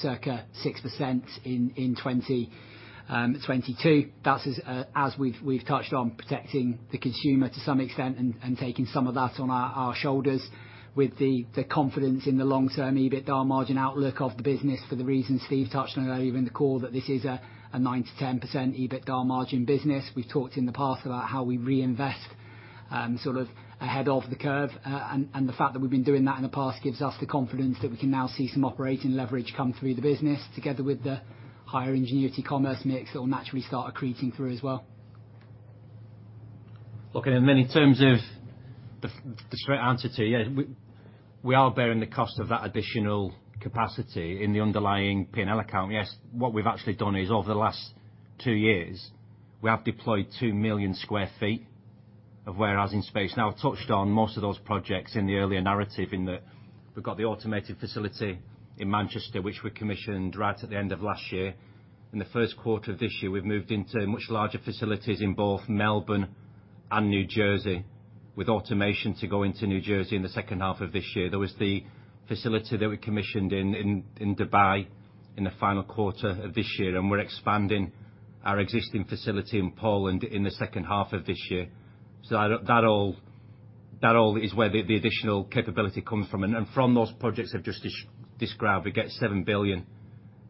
circa 6% in 2022. That is, as we've touched on protecting the consumer to some extent and taking some of that on our shoulders with the confidence in the long-term EBITDA margin outlook of the business for the reasons Steve touched on earlier in the call, that this is a 9%-10% EBITDA margin business. We've talked in the past about how we reinvest sort of ahead of the curve. The fact that we've been doing that in the past gives us the confidence that we can now see some operating leverage come through the business together with the higher Ingenuity Commerce mix that will naturally start accreting through as well. Okay. In terms of the straight answer to you, we are bearing the cost of that additional capacity in the underlying P&L account. Yes, what we've actually done is, over the last two years, we have deployed 2 million sq ft of warehousing space. Now, I've touched on most of those projects in the earlier narrative in that we've got the automated facility in Manchester, which we commissioned right at the end of last year. In the first quarter of this year, we've moved into much larger facilities in both Melbourne and New Jersey, with automation to go into New Jersey in the second half of this year. There was the facility that we commissioned in Dubai in the final quarter of this year, and we're expanding our existing facility in Poland in the second half of this year. That all is where the additional capability comes from. From those projects I've just described, we get 7 billion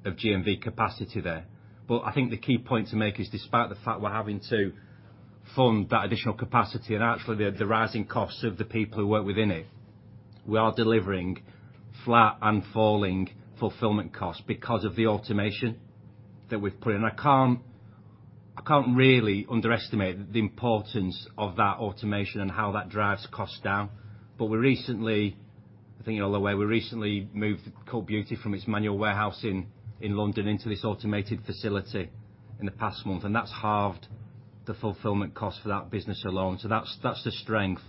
of GMV capacity there. I think the key point to make is despite the fact we're having to fund that additional capacity and actually the rising costs of the people who work within it, we are delivering flat and falling fulfillment costs because of the automation that we've put in. I can't really underestimate the importance of that automation and how that drives costs down. We recently moved Cult Beauty from its manual warehouse in London into this automated facility in the past month, and that's halved the fulfillment cost for that business alone. That's the strength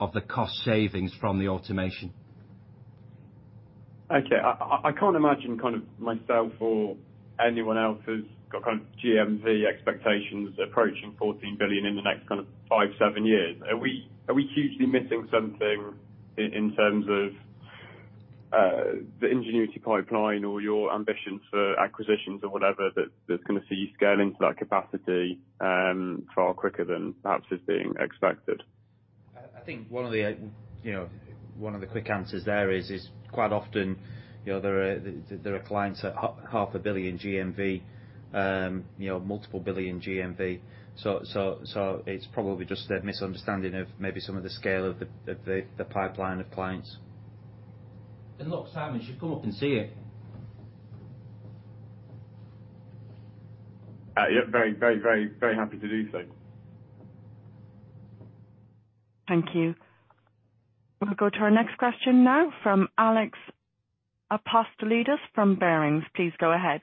of the cost savings from the automation. Okay. I can't imagine kind of myself or anyone else who's got kind of GMV expectations approaching 14 billion in the next five to seven years. Are we hugely missing something in terms of the Ingenuity pipeline or your ambition for acquisitions or whatever that's gonna see you scale into that capacity far quicker than perhaps is being expected? I think one of the quick answers there is quite often, you know, there are clients at half a billion GMV, you know, multiple billion GMV. So it's probably just the misunderstanding of maybe some of the scale of the pipeline of clients. Look, Simon, you should come up and see it. Yeah, very happy to do so. Thank you. We'll go to our next question now from Alex Apostolides from Barings. Please go ahead.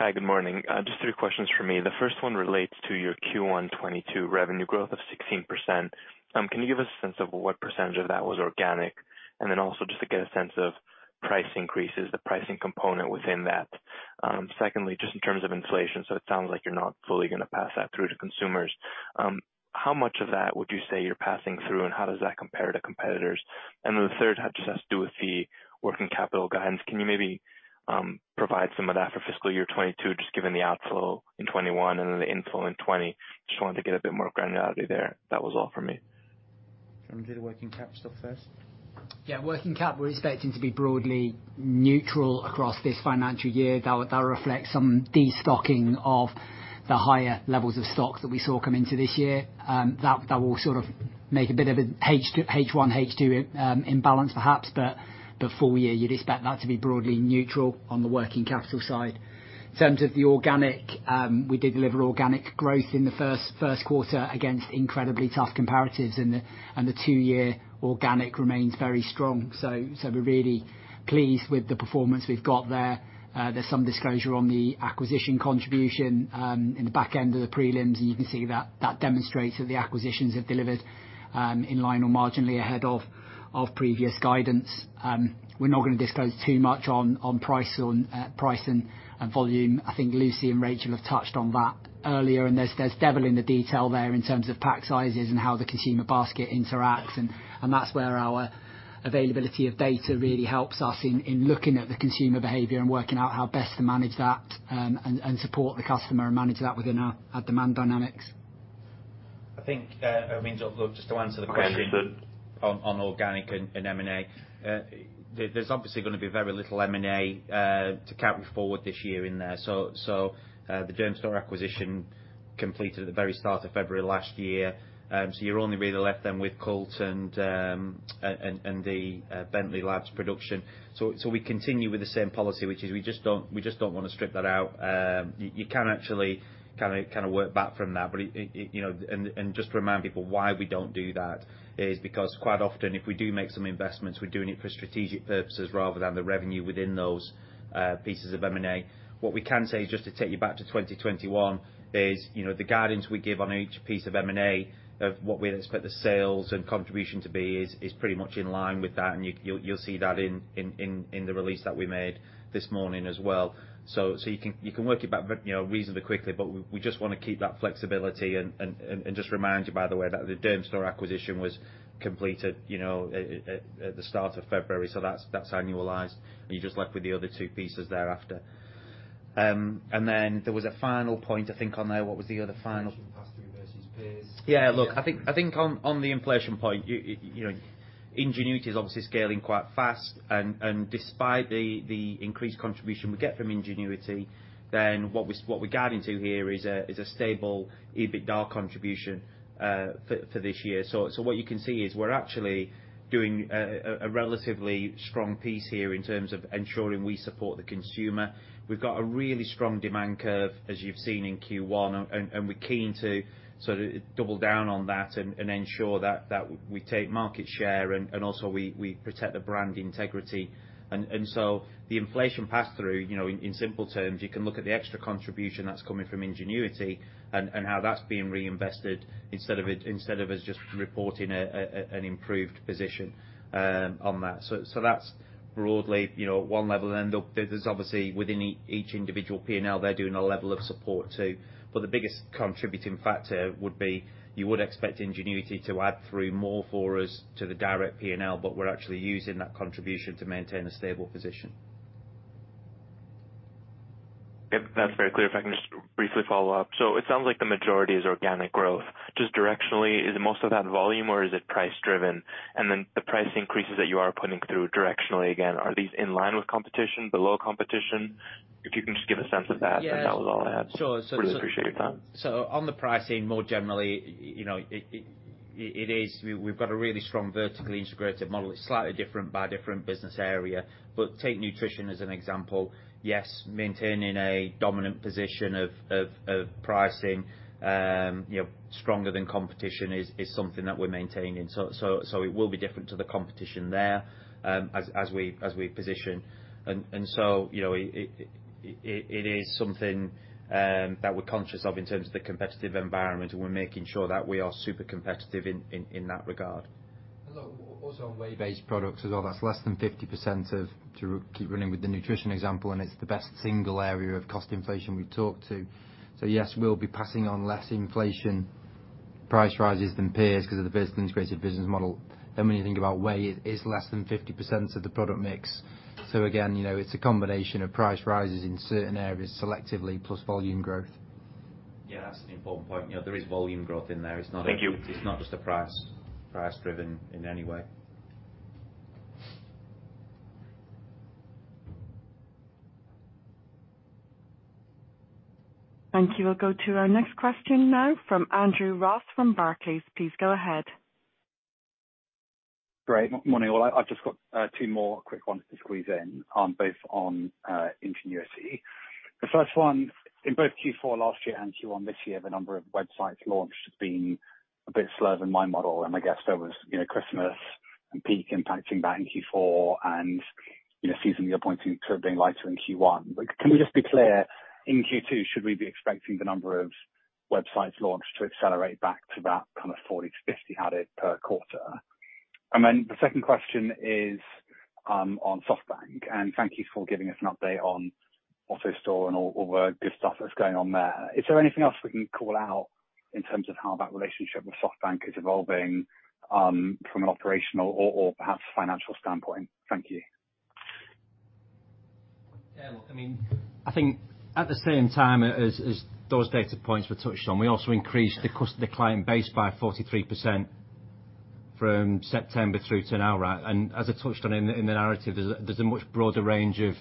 Hi, good morning. Just three questions from me. The first one relates to your Q1 2022 revenue growth of 16%. Can you give us a sense of what percentage of that was organic? And then also just to get a sense of price increases, the pricing component within that. Secondly, just in terms of inflation, it sounds like you're not fully gonna pass that through to consumers. How much of that would you say you're passing through, and how does that compare to competitors? And then the third just has to do with the working capital guidance. Can you provide some of that for fiscal year 2022, just given the outflow in 2021 and then the inflow in 2020? Just wanted to get a bit more granularity there. That was all for me. Do you wanna do the working cap stuff first? Yeah, working cap, we're expecting to be broadly neutral across this financial year. That reflects some de-stocking of the higher levels of stock that we saw come into this year. That will sort of make a bit of a H1, H2 imbalance perhaps. Full year, you'd expect that to be broadly neutral on the working capital side. In terms of the organic, we did deliver organic growth in the first quarter against incredibly tough comparatives and the two-year organic remains very strong. We're really pleased with the performance we've got there. There's some disclosure on the acquisition contribution in the back end of the prelims, and you can see that. That demonstrates that the acquisitions have delivered in line or marginally ahead of previous guidance. We're not gonna disclose too much on price or on price and volume. I think Lucy and Rachel have touched on that earlier, and there's devil in the detail there in terms of pack sizes and how the consumer basket interacts. That's where our availability of data really helps us in looking at the consumer behavior and working out how best to manage that, and support the customer and manage that within our demand dynamics. I think, I mean, look, just to answer the question. Okay. On organic and M&A. There's obviously gonna be very little M&A to carry forward this year in there. The Dermstore acquisition completed at the very start of February last year. You're only really left then with Cult and the Bentley Labs production. We continue with the same policy, which is we just don't wanna strip that out. You can actually kinda work back from that, but it you know. Just to remind people why we don't do that is because quite often, if we do make some investments, we're doing it for strategic purposes rather than the revenue within those pieces of M&A. What we can say, just to take you back to 2021, is, you know, the guidance we give on each piece of M&A, of what we expect the sales and contribution to be is pretty much in line with that. You will see that in the release that we made this morning as well. You can work it back, you know, reasonably quickly, but we just want to keep that flexibility. Just remind you, by the way, that the Dermstore acquisition was completed, you know, at the start of February, so that's annualized, and you're just left with the other two pieces thereafter. Then there was a final point, I think, on there. What was the other final- Inflation pass-through versus peers. Yeah, look, I think on the inflation point, you know, Ingenuity is obviously scaling quite fast. Despite the increased contribution we get from Ingenuity, what we're guiding to here is a stable EBITDA contribution for this year. What you can see is we're actually doing a relatively strong piece here in terms of ensuring we support the consumer. We've got a really strong demand curve, as you've seen in Q1, and we're keen to sort of double down on that and ensure that we take market share and also we protect the brand integrity. the inflation pass-through, you know, in simple terms, you can look at the extra contribution that's coming from Ingenuity and how that's being reinvested instead of it, instead of us just reporting an improved position on that. that's broadly, you know, one level. there's obviously within each individual P&L, they're doing a level of support, too. the biggest contributing factor would be you would expect Ingenuity to add through more for us to the direct P&L, but we're actually using that contribution to maintain a stable position. Yep, that's very clear. If I can just briefly follow up. It sounds like the majority is organic growth. Just directionally, is most of that volume or is it price driven? And then the price increases that you are putting through directionally again, are these in line with competition? Below competition? If you can just give a sense of that. Yes. That was all I had. Sure. really appreciate your time. On the pricing more generally, you know, it is. We've got a really strong vertically integrated model. It's slightly different by different business area. Take nutrition as an example. Yes, maintaining a dominant position of pricing, you know, stronger than competition is something that we're maintaining. It will be different to the competition there, as we position. You know, it is something that we're conscious of in terms of the competitive environment, and we're making sure that we are super competitive in that regard. Look, also on whey-based products as well, that's less than 50% of, to keep running with the nutrition example, and it's the best single area of cost inflation we've talked to. Yes, we'll be passing on less inflation price rises than peers because of the business, integrated business model. When you think about whey, it is less than 50% of the product mix. Again, you know, it's a combination of price rises in certain areas selectively plus volume growth. Yeah, that's an important point. You know, there is volume growth in there. It's not. Thank you. It's not just price-driven in any way. Thank you. We'll go to our next question now from Andrew Ross from Barclays. Please go ahead. Great. Morning, all. I've just got two more quick ones to squeeze in, both on Ingenuity. The first one, in both Q4 last year and Q1 this year, the number of websites launched have been a bit slower than my model, and I guess there was, you know, Christmas and peak impacting that in Q4 and, you know, seasonally appointments could have been lighter in Q1. Can we just be clear, in Q2, should we be expecting the number of websites launched to accelerate back to that kind of 40-50 added per quarter? Then the second question is, on SoftBank, and thank you for giving us an update on AutoStore and all the good stuff that's going on there. Is there anything else we can call out in terms of how that relationship with SoftBank is evolving, from an operational or perhaps financial standpoint? Thank you. Yeah, look, I mean, I think at the same time as those data points were touched on, we also increased the client base by 43% from September through to now, right? As I touched on in the narrative, there's a much broader range of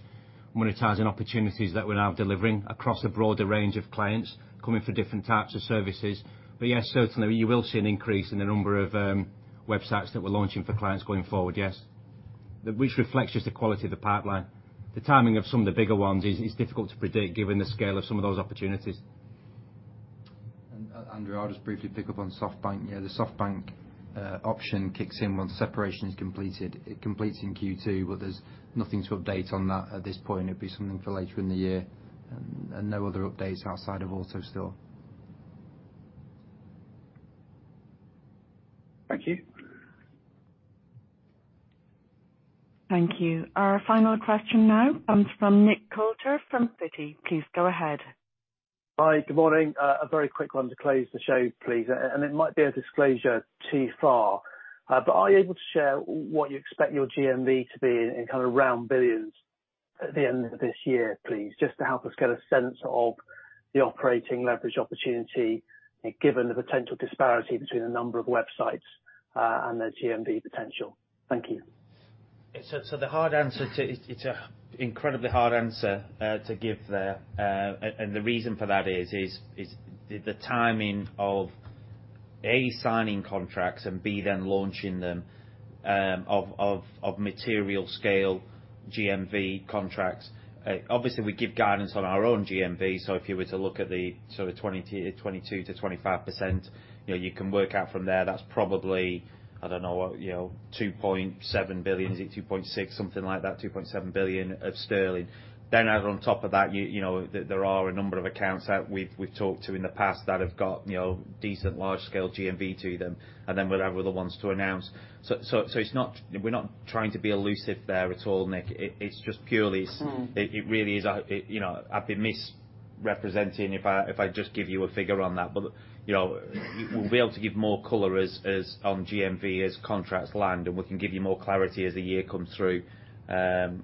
monetizing opportunities that we're now delivering across a broader range of clients coming from different types of services. Yes, certainly you will see an increase in the number of websites that we're launching for clients going forward, yes. Which reflects just the quality of the pipeline. The timing of some of the bigger ones is difficult to predict given the scale of some of those opportunities. Andrew, I'll just briefly pick up on SoftBank. Yeah, the SoftBank option kicks in once separation is completed. It completes in Q2, but there's nothing to update on that at this point. It'd be something for later in the year. No other updates outside of AutoStore. Thank you. Thank you. Our final question now comes from Nick Coulter from Citi. Please go ahead. Hi, good morning. A very quick one to close the show, please. It might be a disclosure too far, but are you able to share what you expect your GMV to be in kind of round billions at the end of this year, please? Just to help us get a sense of the operating leverage opportunity, given the potential disparity between the number of websites and the GMV potential. Thank you. It's an incredibly hard answer to give there. The reason for that is the timing of A, signing contracts and B, then launching them, of material scale GMV contracts. Obviously we give guidance on our own GMV, so if you were to look at the sort of 22%-25%, you know, you can work out from there, that's probably, I don't know, you know, 2.7 billion. Is it 2.6 million? Something like that. 2.7 billion sterling. Add on top of that, you know, there are a number of accounts that we've talked to in the past that have got, you know, decent large scale GMV to them, and then we'll have other ones to announce. We're not trying to be elusive there at all, Nick. It's just purely s- Mm-hmm. It really is. You know, I'd be misrepresenting if I just give you a figure on that. You know, we'll be able to give more color as on GMV as contracts land, and we can give you more clarity as the year comes through. That's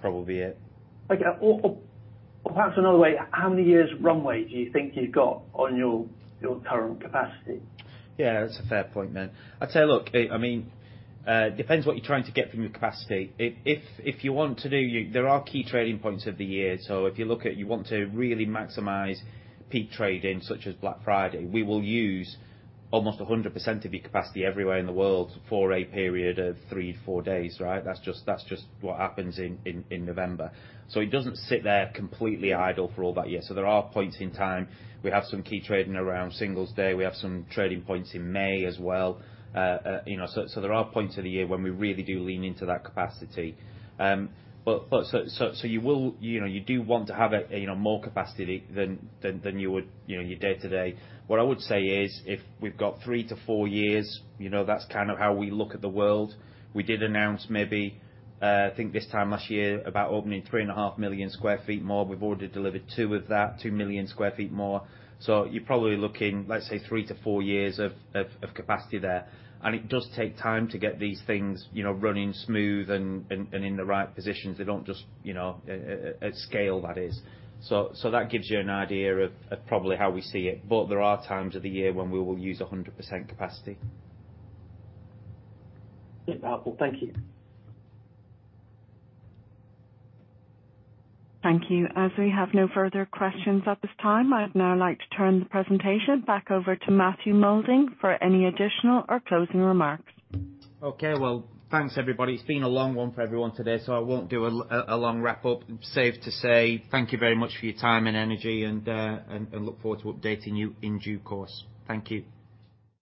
probably it. Okay. Perhaps another way, how many years runway do you think you've got on your current capacity? Yeah, that's a fair point, Nick. I'd say, look, I mean, it depends what you're trying to get from your capacity. There are key trading points of the year, so if you look at you want to really maximize peak trading such as Black Friday, we will use almost 100% of your capacity everywhere in the world for a period of three, four days, right? That's just what happens in November. It doesn't sit there completely idle for all that year. There are points in time. We have some key trading around Singles' Day. We have some trading points in May as well. You know, there are points of the year when we really do lean into that capacity. You will You know, you do want to have, you know, more capacity than you would, you know, your day to day. What I would say is if we've got three to four years, you know, that's kind of how we look at the world. We did announce maybe, I think this time last year about opening 3.5 million sq ft more. We've already delivered two of that, 2 million sq ft more. You're probably looking, let's say three to four years of capacity there. It does take time to get these things, you know, running smooth and in the right positions. They don't just, you know, at scale that is. That gives you an idea of probably how we see it. There are times of the year when we will use 100% capacity. Yeah. Helpful. Thank you. Thank you. As we have no further questions at this time, I'd now like to turn the presentation back over to Matthew Moulding for any additional or closing remarks. Okay. Well, thanks everybody. It's been a long one for everyone today, so I won't do a long wrap up. Safe to say thank you very much for your time and energy and look forward to updating you in due course. Thank you.